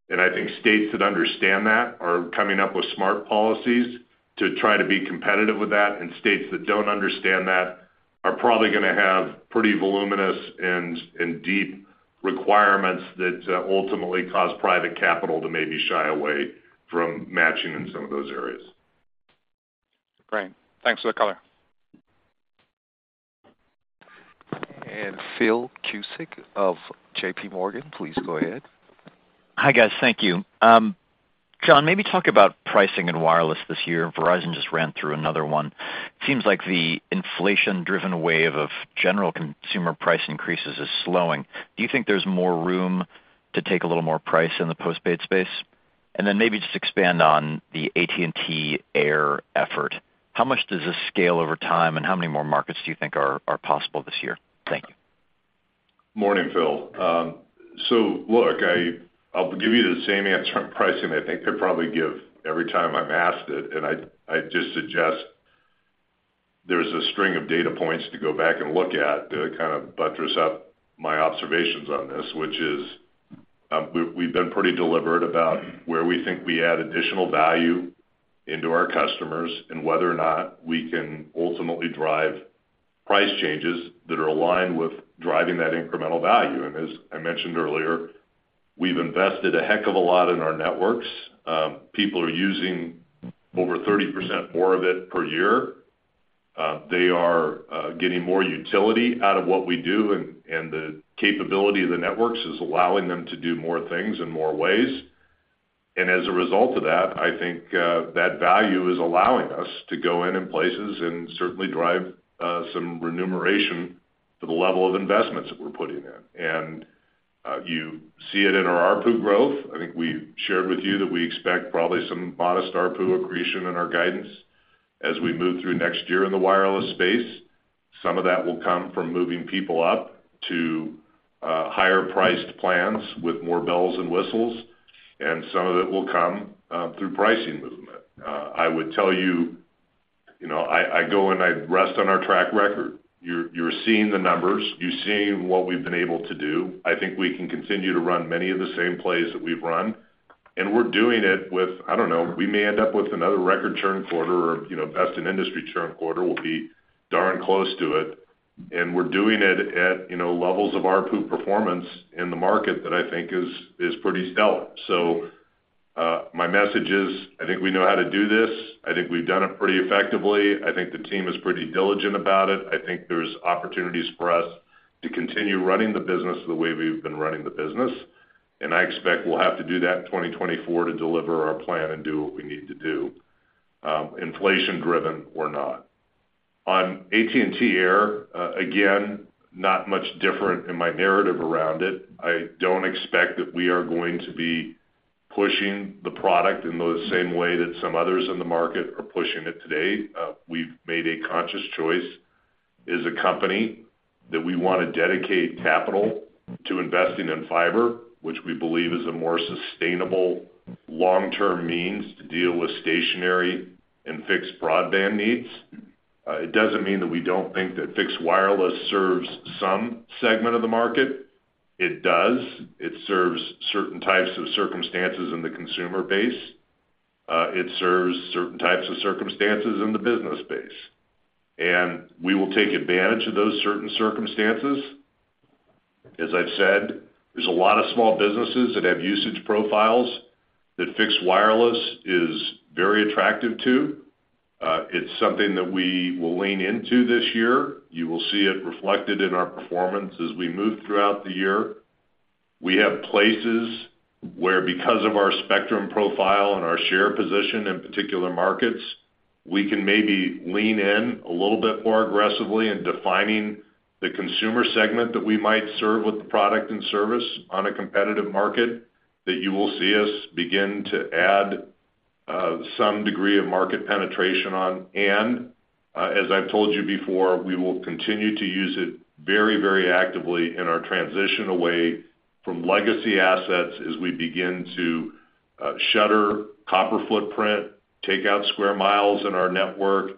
And I think states that understand that are coming up with smart policies to try to be competitive with that, and states that don't understand that are probably gonna have pretty voluminous and deep requirements that ultimately cause private capital to maybe shy away from matching in some of those areas. Great. Thanks for the color. Phil Cusick of JPMorgan, please go ahead. Hi, guys. Thank you. John, maybe talk about pricing in wireless this year. Verizon just ran through another one. Seems like the inflation-driven wave of general consumer price increases is slowing. Do you think there's more room to take a little more price in the postpaid space? And then maybe just expand on the AT&T Air effort. How much does this scale over time, and how many more markets do you think are possible this year? Thank you. Morning, Phil. So look, I'll give you the same answer on pricing I think I probably give every time I'm asked it, and I just suggest there's a string of data points to go back and look at to kind of buttress up my observations on this, which is, we've been pretty deliberate about where we think we add additional value into our customers and whether or not we can ultimately drive price changes that are aligned with driving that incremental value. As I mentioned earlier, we've invested a heck of a lot in our networks. People are using over 30% more of it per year. They are getting more utility out of what we do, and the capability of the networks is allowing them to do more things in more ways. As a result of that, I think that value is allowing us to go in in places and certainly drive some remuneration for the level of investments that we're putting in. You see it in our ARPU growth. I think we've shared with you that we expect probably some modest ARPU accretion in our guidance as we move through next year in the wireless space. Some of that will come from moving people up to higher-priced plans with more bells and whistles, and some of it will come through pricing movement. I would tell you, you know, I go and I rest on our track record. You're seeing the numbers, you're seeing what we've been able to do. I think we can continue to run many of the same plays that we've run, and we're doing it with, I don't know, we may end up with another record churn quarter, or, you know, best-in-industry churn quarter will be darn close to it. And we're doing it at, you know, levels of ARPU performance in the market that I think is pretty stellar. So, my message is, I think we know how to do this. I think we've done it pretty effectively. I think the team is pretty diligent about it. I think there's opportunities for us to continue running the business the way we've been running the business, and I expect we'll have to do that in 2024 to deliver our plan and do what we need to do, inflation-driven or not. On AT&T Air, again, not much different in my narrative around it. I don't expect that we are going to be pushing the product in the same way that some others in the market are pushing it today. We've made a conscious choice as a company that we want to dedicate capital to investing in fiber, which we believe is a more sustainable long-term means to deal with stationary and fixed broadband needs. It doesn't mean that we don't think that fixed wireless serves some segment of the market. It does. It serves certain types of circumstances in the consumer base. It serves certain types of circumstances in the business base, and we will take advantage of those certain circumstances. As I've said, there's a lot of small businesses that have usage profiles that fixed wireless is very attractive to. It's something that we will lean into this year. You will see it reflected in our performance as we move throughout the year. We have places where, because of our spectrum profile and our share position in particular markets, we can maybe lean in a little bit more aggressively in defining the consumer segment that we might serve with the product and service on a competitive market, that you will see us begin to add some degree of market penetration on. And, as I've told you before, we will continue to use it very, very actively in our transition away from legacy assets as we begin to shutter copper footprint, take out square miles in our network,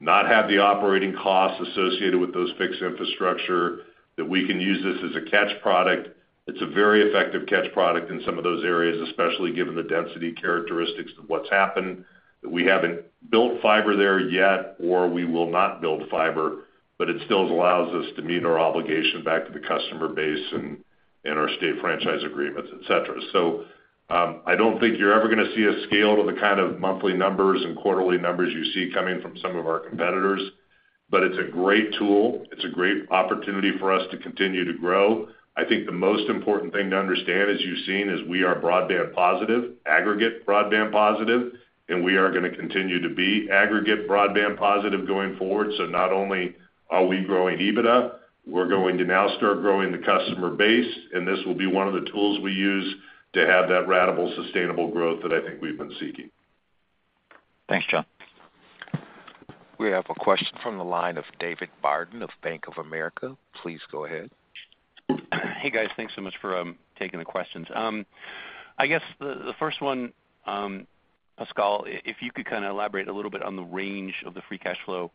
not have the operating costs associated with those fixed infrastructure, that we can use this as a catch product. It's a very effective catch product in some of those areas, especially given the density characteristics of what's happened, that we haven't built fiber there yet, or we will not build fiber, but it still allows us to meet our obligation back to the customer base and our state franchise agreements, et cetera. So, I don't think you're ever gonna see a scale to the kind of monthly numbers and quarterly numbers you see coming from some of our competitors, but it's a great tool. It's a great opportunity for us to continue to grow. I think the most important thing to understand, as you've seen, is we are broadband positive, aggregate broadband positive, and we are gonna continue to be aggregate broadband positive going forward. So not only are we growing EBITDA, we're going to now start growing the customer base, and this will be one of the tools we use to have that ratable, sustainable growth that I think we've been seeking. Thanks, John. We have a question from the line of David Barden of Bank of America. Please go ahead. Hey, guys. Thanks so much for taking the questions. I guess the first one, Pascal, if you could kind of elaborate a little bit on the range of the Free Cash Flow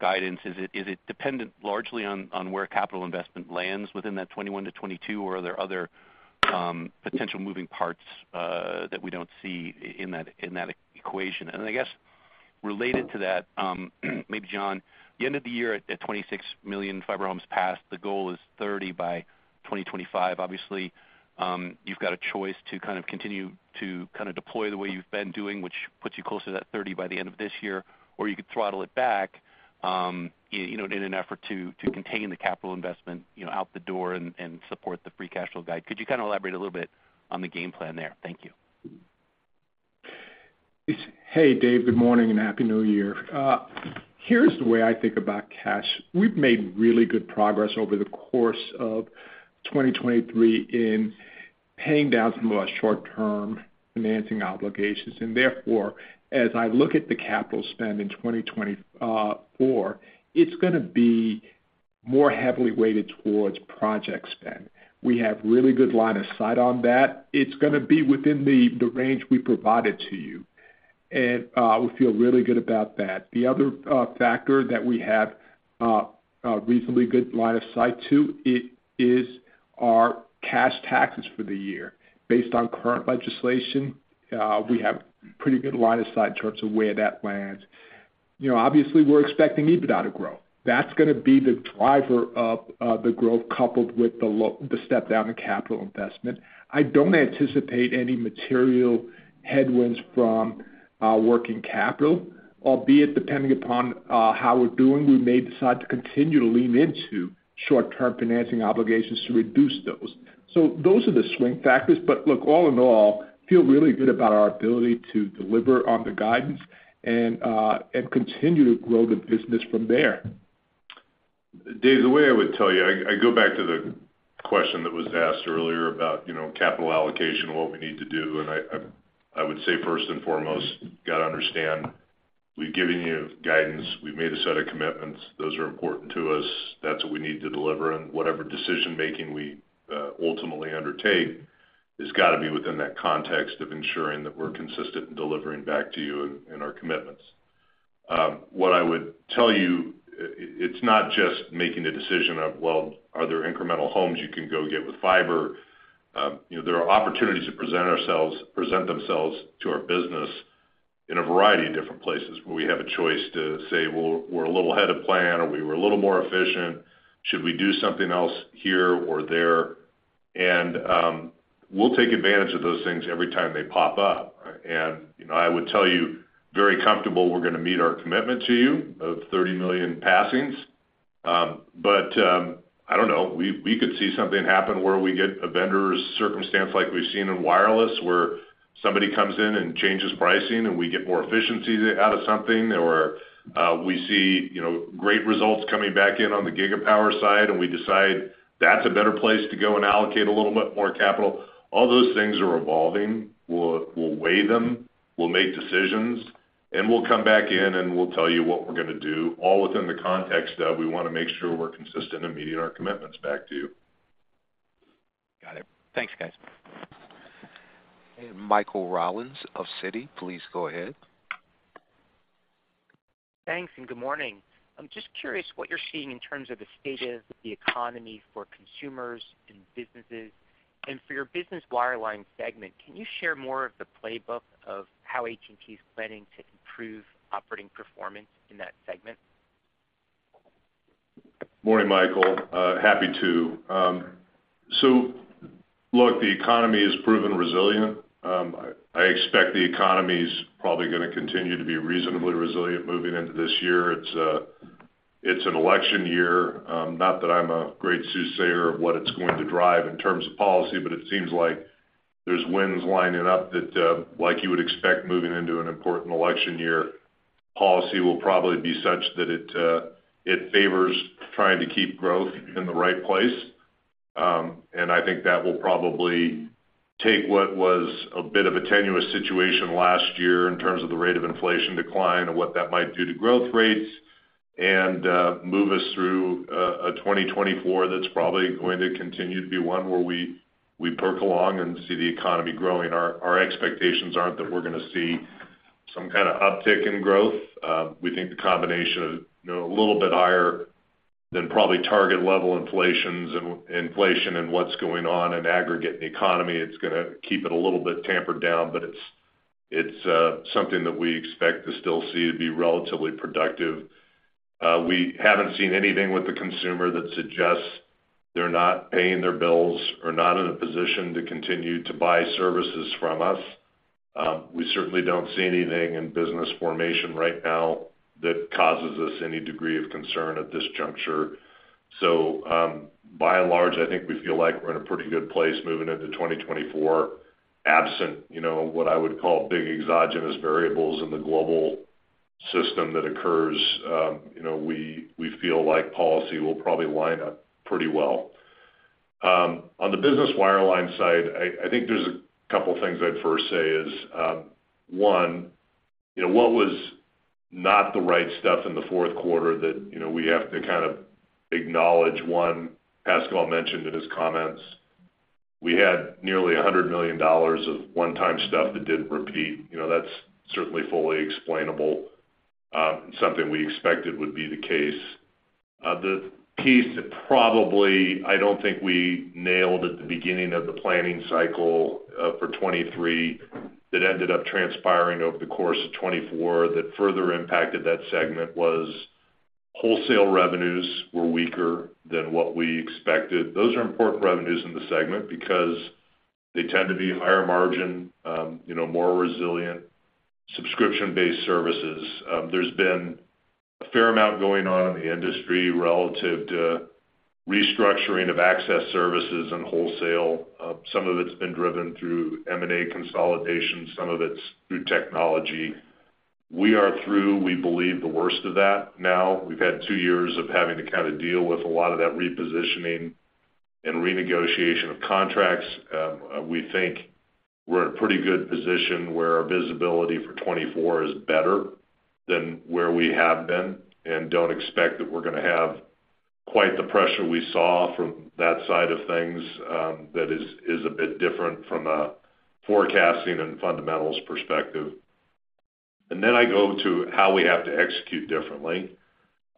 guidance. is it dependent largely on where capital investment lands within that 21%-22%, or are there other potential moving parts that we don't see in that equation? And I guess related to that, maybe, John, the end of the year at 26 million fiber homes passed, the goal is 30 million fiber homes by 2025. Obviously, you've got a choice to kind of continue to kind of deploy the way you've been doing, which puts you closer to that 30% by the end of this year, or you could throttle it back, you know, in an effort to, to contain the capital investment, you know, out the door and, and support the Free Cash Flow guide. could you kind of elaborate a little bit on the game plan there? Thank you. Hey, Dave, good morning and happy New Year. Here's the way I think about cash. We've made really good progress over the course of 2023 in paying down some of our short-term financing obligations, and therefore, as I look at the capital spend in 2024, it's gonna be more heavily weighted towards project spend. We have really good line of sight on that. It's gonna be within the range we provided to you, and we feel really good about that. The other factor that we have a reasonably good line of sight to is our cash taxes for the year. Based on current legislation, we have pretty good line of sight in terms of where that lands. You know, obviously, we're expecting EBITDA to grow. That's gonna be the driver of the growth, coupled with the step down in capital investment. I don't anticipate any material headwinds from working capital, albeit, depending upon how we're doing, we may decide to continue to lean into short-term financing obligations to reduce those. So those are the swing factors. But look, all in all, feel really good about our ability to deliver on the guidance and continue to grow the business from there. Dave, the way I would tell you, I go back to the question that was asked earlier about, you know, capital allocation and what we need to do, and I would say, first and foremost, you got to understand, we've given you guidance, we've made a set of commitments. Those are important to us. That's what we need to deliver, and whatever decision-making we ultimately undertake has got to be within that context of ensuring that we're consistent in delivering back to you in our commitments. What I would tell you, it's not just making the decision of, well, are there incremental homes you can go get with fiber? You know, there are opportunities to present themselves to our business in a variety of different places, where we have a choice to say, well, we're a little ahead of plan, or we were a little more efficient. Should we do something else here or there? And we'll take advantage of those things every time they pop up, right? And you know, I would tell you, very comfortable we're gonna meet our commitment to you of 30 million passings. But I don't know. We could see something happen where we get a vendor's circumstance like we've seen in wireless, where somebody comes in and changes pricing, and we get more efficiency out of something, or we see, you know, great results coming back in on the Gigapower side, and we decide that's a better place to go and allocate a little bit more capital. All those things are evolving. We'll weigh them, we'll make decisions, and we'll come back in and we'll tell you what we're gonna do, all within the context of we want to make sure we're consistent in meeting our commitments back to you. Got it. Thanks, guys. Michael Rollins of Citi, please go ahead. Thanks, and good morning. I'm just curious what you're seeing in terms of the state of the economy for consumers and businesses. For your business wireline segment, can you share more of the playbook of how AT&T is planning to improve operating performance in that segment? Morning, Michael, happy to. So look, the economy has proven resilient. I expect the economy's probably gonna continue to be reasonably resilient moving into this year. It's, it's an election year. Not that I'm a great soothsayer of what it's going to drive in terms of policy, but it seems like there's winds lining up that, like you would expect, moving into an important election year, policy will probably be such that it, it favors trying to keep growth in the right place. And I think that will probably take what was a bit of a tenuous situation last year in terms of the rate of inflation decline and what that might do to growth rates, and move us through a 2024 that's probably going to continue to be one where we perk along and see the economy growing. Our expectations aren't that we're gonna see some kind of uptick in growth. We think the combination of, you know, a little bit higher than probably target level inflation and what's going on in aggregate in the economy; it's gonna keep it a little bit tempered down, but it's something that we expect to still see to be relatively productive. We haven't seen anything with the consumer that suggests they're not paying their bills or not in a position to continue to buy services from us. We certainly don't see anything in business formation right now that causes us any degree of concern at this juncture. So, by and large, I think we feel like we're in a pretty good place moving into 2024. Absent, you know, what I would call big exogenous variables in the global system that occurs, you know, we, we feel like policy will probably line up pretty well. On the business wireline side, I think there's a couple things I'd first say is, one, you know, what was not the right stuff in the fourth quarter that, you know, we have to kind of acknowledge, one, Pascal mentioned in his comments, we had nearly $100 million of one-time stuff that didn't repeat. You know, that's certainly fully explainable, something we expected would be the case. The piece that probably, I don't think we nailed at the beginning of the planning cycle, for 2023, that ended up transpiring over the course of 2024, that further impacted that segment, was wholesale revenues were weaker than what we expected. Those are important revenues in the segment because they tend to be higher margin, you know, more resilient, subscription-based services. There's been a fair amount going on in the industry relative to restructuring of access services and wholesale. Some of it's been driven through M&A consolidation, some of it's through technology. We are through, we believe, the worst of that now. We've had two years of having to kind of deal with a lot of that repositioning and renegotiation of contracts. We think we're in a pretty good position where our visibility for 2024 is better than where we have been, and don't expect that we're gonna have quite the pressure we saw from that side of things, that is a bit different from a forecasting and fundamentals perspective. And then I go to how we have to execute differently.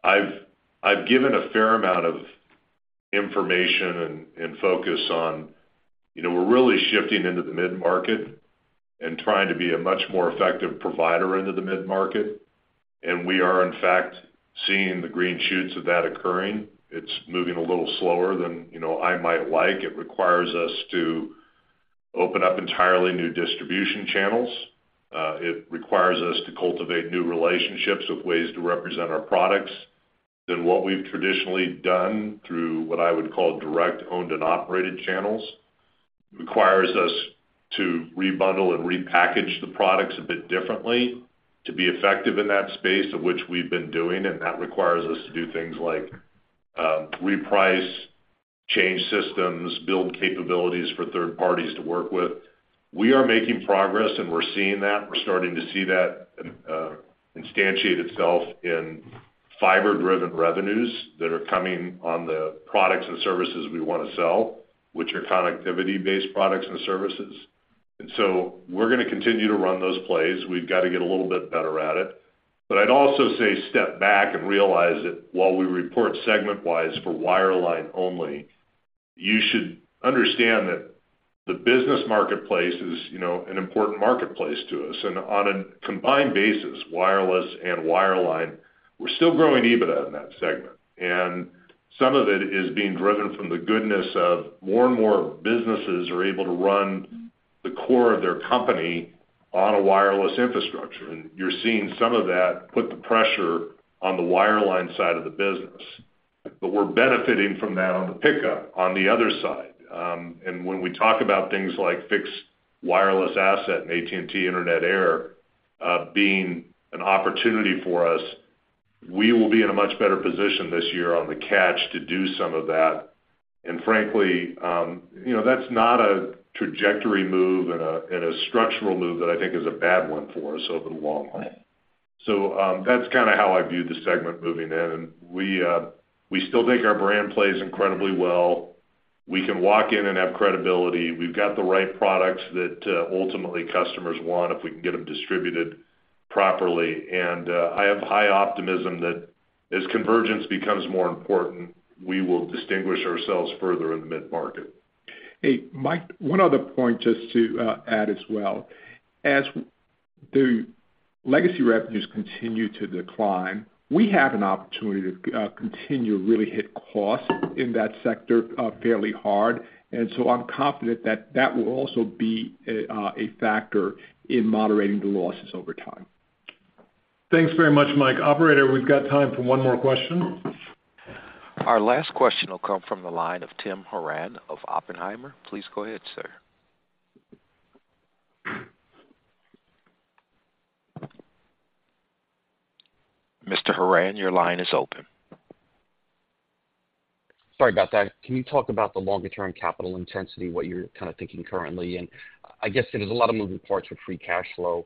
I've given a fair amount of information and focus on, you know, we're really shifting into the mid-market and trying to be a much more effective provider into the mid-market. We are, in fact, seeing the green shoots of that occurring. It's moving a little slower than, you know, I might like. It requires us to open up entirely new distribution channels. It requires us to cultivate new relationships of ways to represent our products than what we've traditionally done through, what I would call, direct owned and operated channels. It requires us to rebundle and repackage the products a bit differently to be effective in that space, of which we've been doing, and that requires us to do things like, reprice, change systems, build capabilities for third parties to work with. We are making progress, and we're seeing that. We're starting to see that instantiate itself in fiber-driven revenues that are coming on the products and services we want to sell, which are connectivity-based products and services. And so we're gonna continue to run those plays. We've got to get a little bit better at it. But I'd also say step back and realize that while we report segment-wise for wireline only, you should understand that the business marketplace is, you know, an important marketplace to us. And on a combined basis, wireless and wireline, we're still growing EBITDA in that segment. And some of it is being driven from the goodness of more and more businesses are able to run the core of their company on a wireless infrastructure, and you're seeing some of that put the pressure on the wireline side of the business. But we're benefiting from that on the pickup on the other side. And when we talk about things like fixed wireless access and AT&T Internet Air, being an opportunity for us, we will be in a much better position this year on the catch to do some of that. And frankly, you know, that's not a trajectory move and a structural move that I think is a bad one for us over the long run. So, that's kind of how I view the segment moving in, and we, we still think our brand plays incredibly well. We can walk in and have credibility. We've got the right products that, ultimately customers want if we can get them distributed properly. And, I have high optimism that as convergence becomes more important, we will distinguish ourselves further in the mid-market. Hey, Mike, one other point just to add as well. As the legacy revenues continue to decline, we have an opportunity to continue to really hit costs in that sector fairly hard. And so I'm confident that that will also be a factor in moderating the losses over time. Thanks very much, Mike. Operator, we've got time for one more question. Our last question will come from the line of Tim Horan of Oppenheimer. Please go ahead, sir. Mr. Horan, your line is open. Sorry about that. Can you talk about the longer-term capital intensity, what you're kind of thinking currently? And I guess there's a lot of moving parts of Free Cash Flow.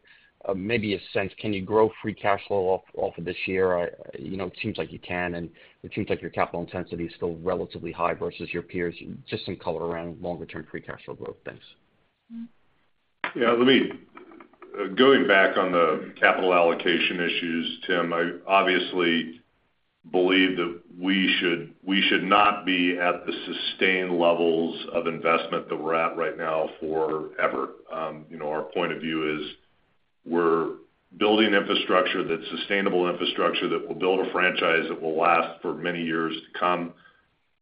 maybe a sense, can you grow Free Cash Flow off of this year? You know, it seems like you can, and it seems like your capital intensity is still relatively high versus your peers. Just some color around longer-term Free Cash Flow growth. thanks. Yeah, let me go back on the capital allocation issues, Tim. I obviously believe that we should, we should not be at the sustained levels of investment that we're at right now forever. You know, our point of view is we're building infrastructure, that sustainable infrastructure, that will build a franchise that will last for many years to come.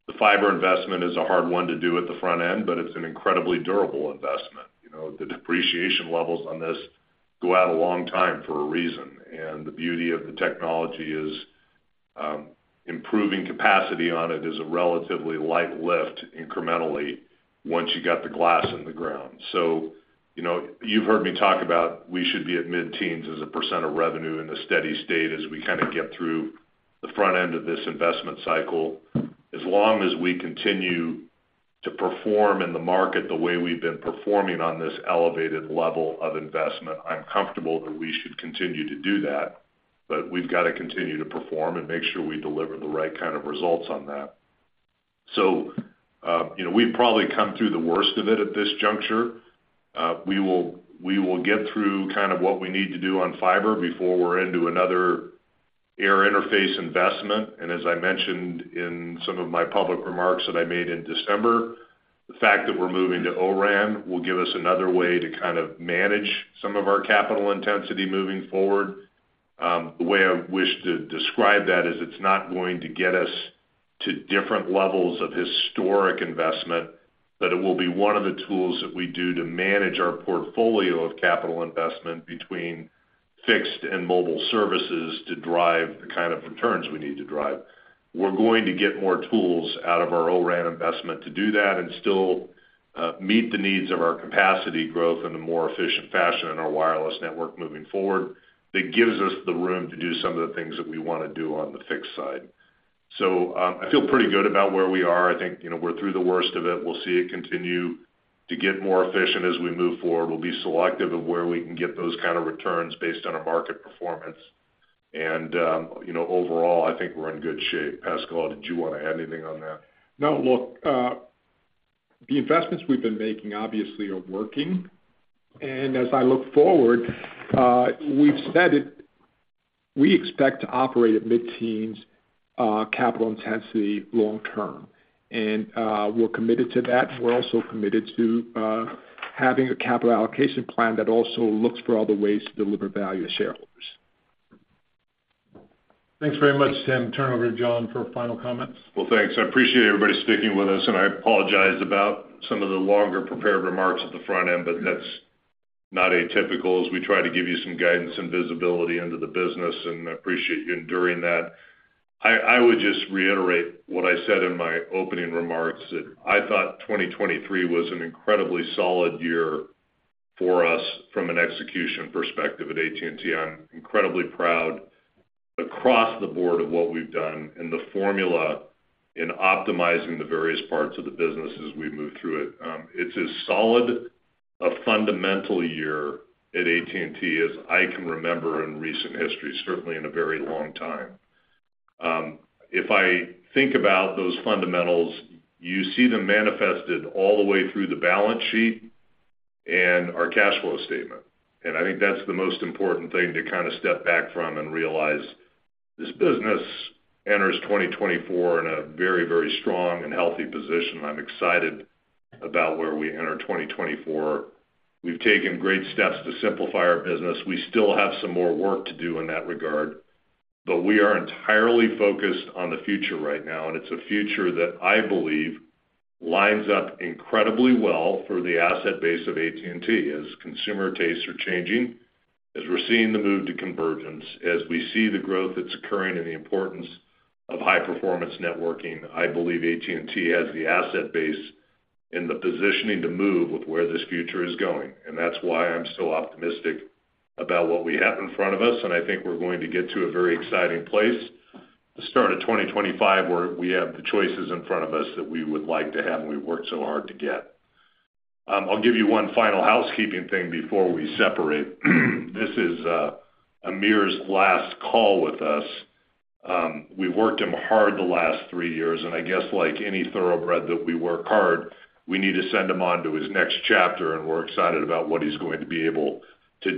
The fiber investment is a hard one to do at the front end, but it's an incredibly durable investment. You know, the depreciation levels on this go out a long time for a reason, and the beauty of the technology is improving capacity on it is a relatively light lift incrementally once you got the glass in the ground. So, you know, you've heard me talk about we should be at mid-teens percent of revenue in a steady state as we kind of get through the front end of this investment cycle. As long as we continue to perform in the market the way we've been performing on this elevated level of investment, I'm comfortable that we should continue to do that, but we've got to continue to perform and make sure we deliver the right kind of results on that. So, you know, we've probably come through the worst of it at this juncture. We will get through kind of what we need to do on fiber before we're into another air interface investment. As I mentioned in some of my public remarks that I made in December, the fact that we're moving to O-RAN will give us another way to kind of manage some of our capital intensity moving forward. The way I wish to describe that is, it's not going to get us to different levels of historic investment, that it will be one of the tools that we do to manage our portfolio of capital investment between fixed and mobile services to drive the kind of returns we need to drive. We're going to get more tools out of our O-RAN investment to do that and still meet the needs of our capacity growth in a more efficient fashion in our wireless network moving forward. That gives us the room to do some of the things that we wanna do on the fixed side. I feel pretty good about where we are. I think, you know, we're through the worst of it. We'll see it continue to get more efficient as we move forward. We'll be selective of where we can get those kind of returns based on our market performance. You know, overall, I think we're in good shape. Pascal, did you want to add anything on that? No, look, the investments we've been making obviously are working, and as I look forward, we've said it, we expect to operate at mid-teens capital intensity long term. And, we're committed to that. We're also committed to having a capital allocation plan that also looks for other ways to deliver value to shareholders. Thanks very much, Tim. Turn it over to John for final comments. Well, thanks. I appreciate everybody sticking with us, and I apologize about some of the longer prepared remarks at the front end, but that's not atypical as we try to give you some guidance and visibility into the business, and I appreciate you enduring that. I, I would just reiterate what I said in my opening remarks, that I thought 2023 was an incredibly solid year for us from an execution perspective at AT&T. I'm incredibly proud across the board of what we've done and the formula in optimizing the various parts of the business as we move through it. It's as solid a fundamental year at AT&T as I can remember in recent history, certainly in a very long time. If I think about those fundamentals, you see them manifested all the way through the balance sheet and our cash flow statement, and I think that's the most important thing to kinda step back from and realize this business enters 2024 in a very, very strong and healthy position. I'm excited about where we enter 2024. We've taken great steps to simplify our business. We still have some more work to do in that regard, but we are entirely focused on the future right now, and it's a future that I believe lines up incredibly well for the asset base of AT&T. As consumer tastes are changing, as we're seeing the move to convergence, as we see the growth that's occurring and the importance of high-performance networking, I believe AT&T has the asset base and the positioning to move with where this future is going. That's why I'm so optimistic about what we have in front of us, and I think we're going to get to a very exciting place at the start of 2025, where we have the choices in front of us that we would like to have, and we've worked so hard to get. I'll give you one final housekeeping thing before we separate. This is Amir's last call with us. We've worked him hard the last 3 years, and I guess like any thoroughbred that we work hard, we need to send him on to his next chapter, and we're excited about what he's going to be able to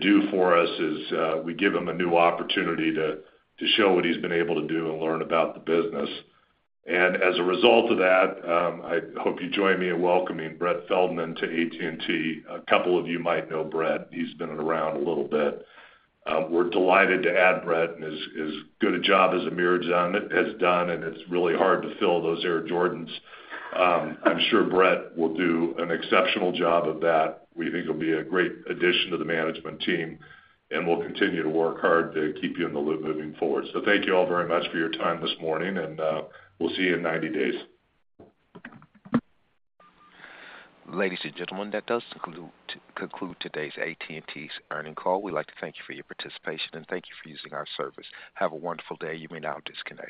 do for us as we give him a new opportunity to show what he's been able to do and learn about the business. And as a result of that, I hope you join me in welcoming Brett Feldman to AT&T. A couple of you might know Brett. He's been around a little bit. We're delighted to add Brett, and as good a job as Amir done, has done, and it's really hard to fill those Air Jordans. I'm sure Brett will do an exceptional job of that. We think he'll be a great addition to the management team, and we'll continue to work hard to keep you in the loop moving forward. So thank you all very much for your time this morning, and we'll see you in 90 days. Ladies and gentlemen, that does conclude today's AT&T earnings call. We'd like to thank you for your participation and thank you for using our service. Have a wonderful day. You may now disconnect.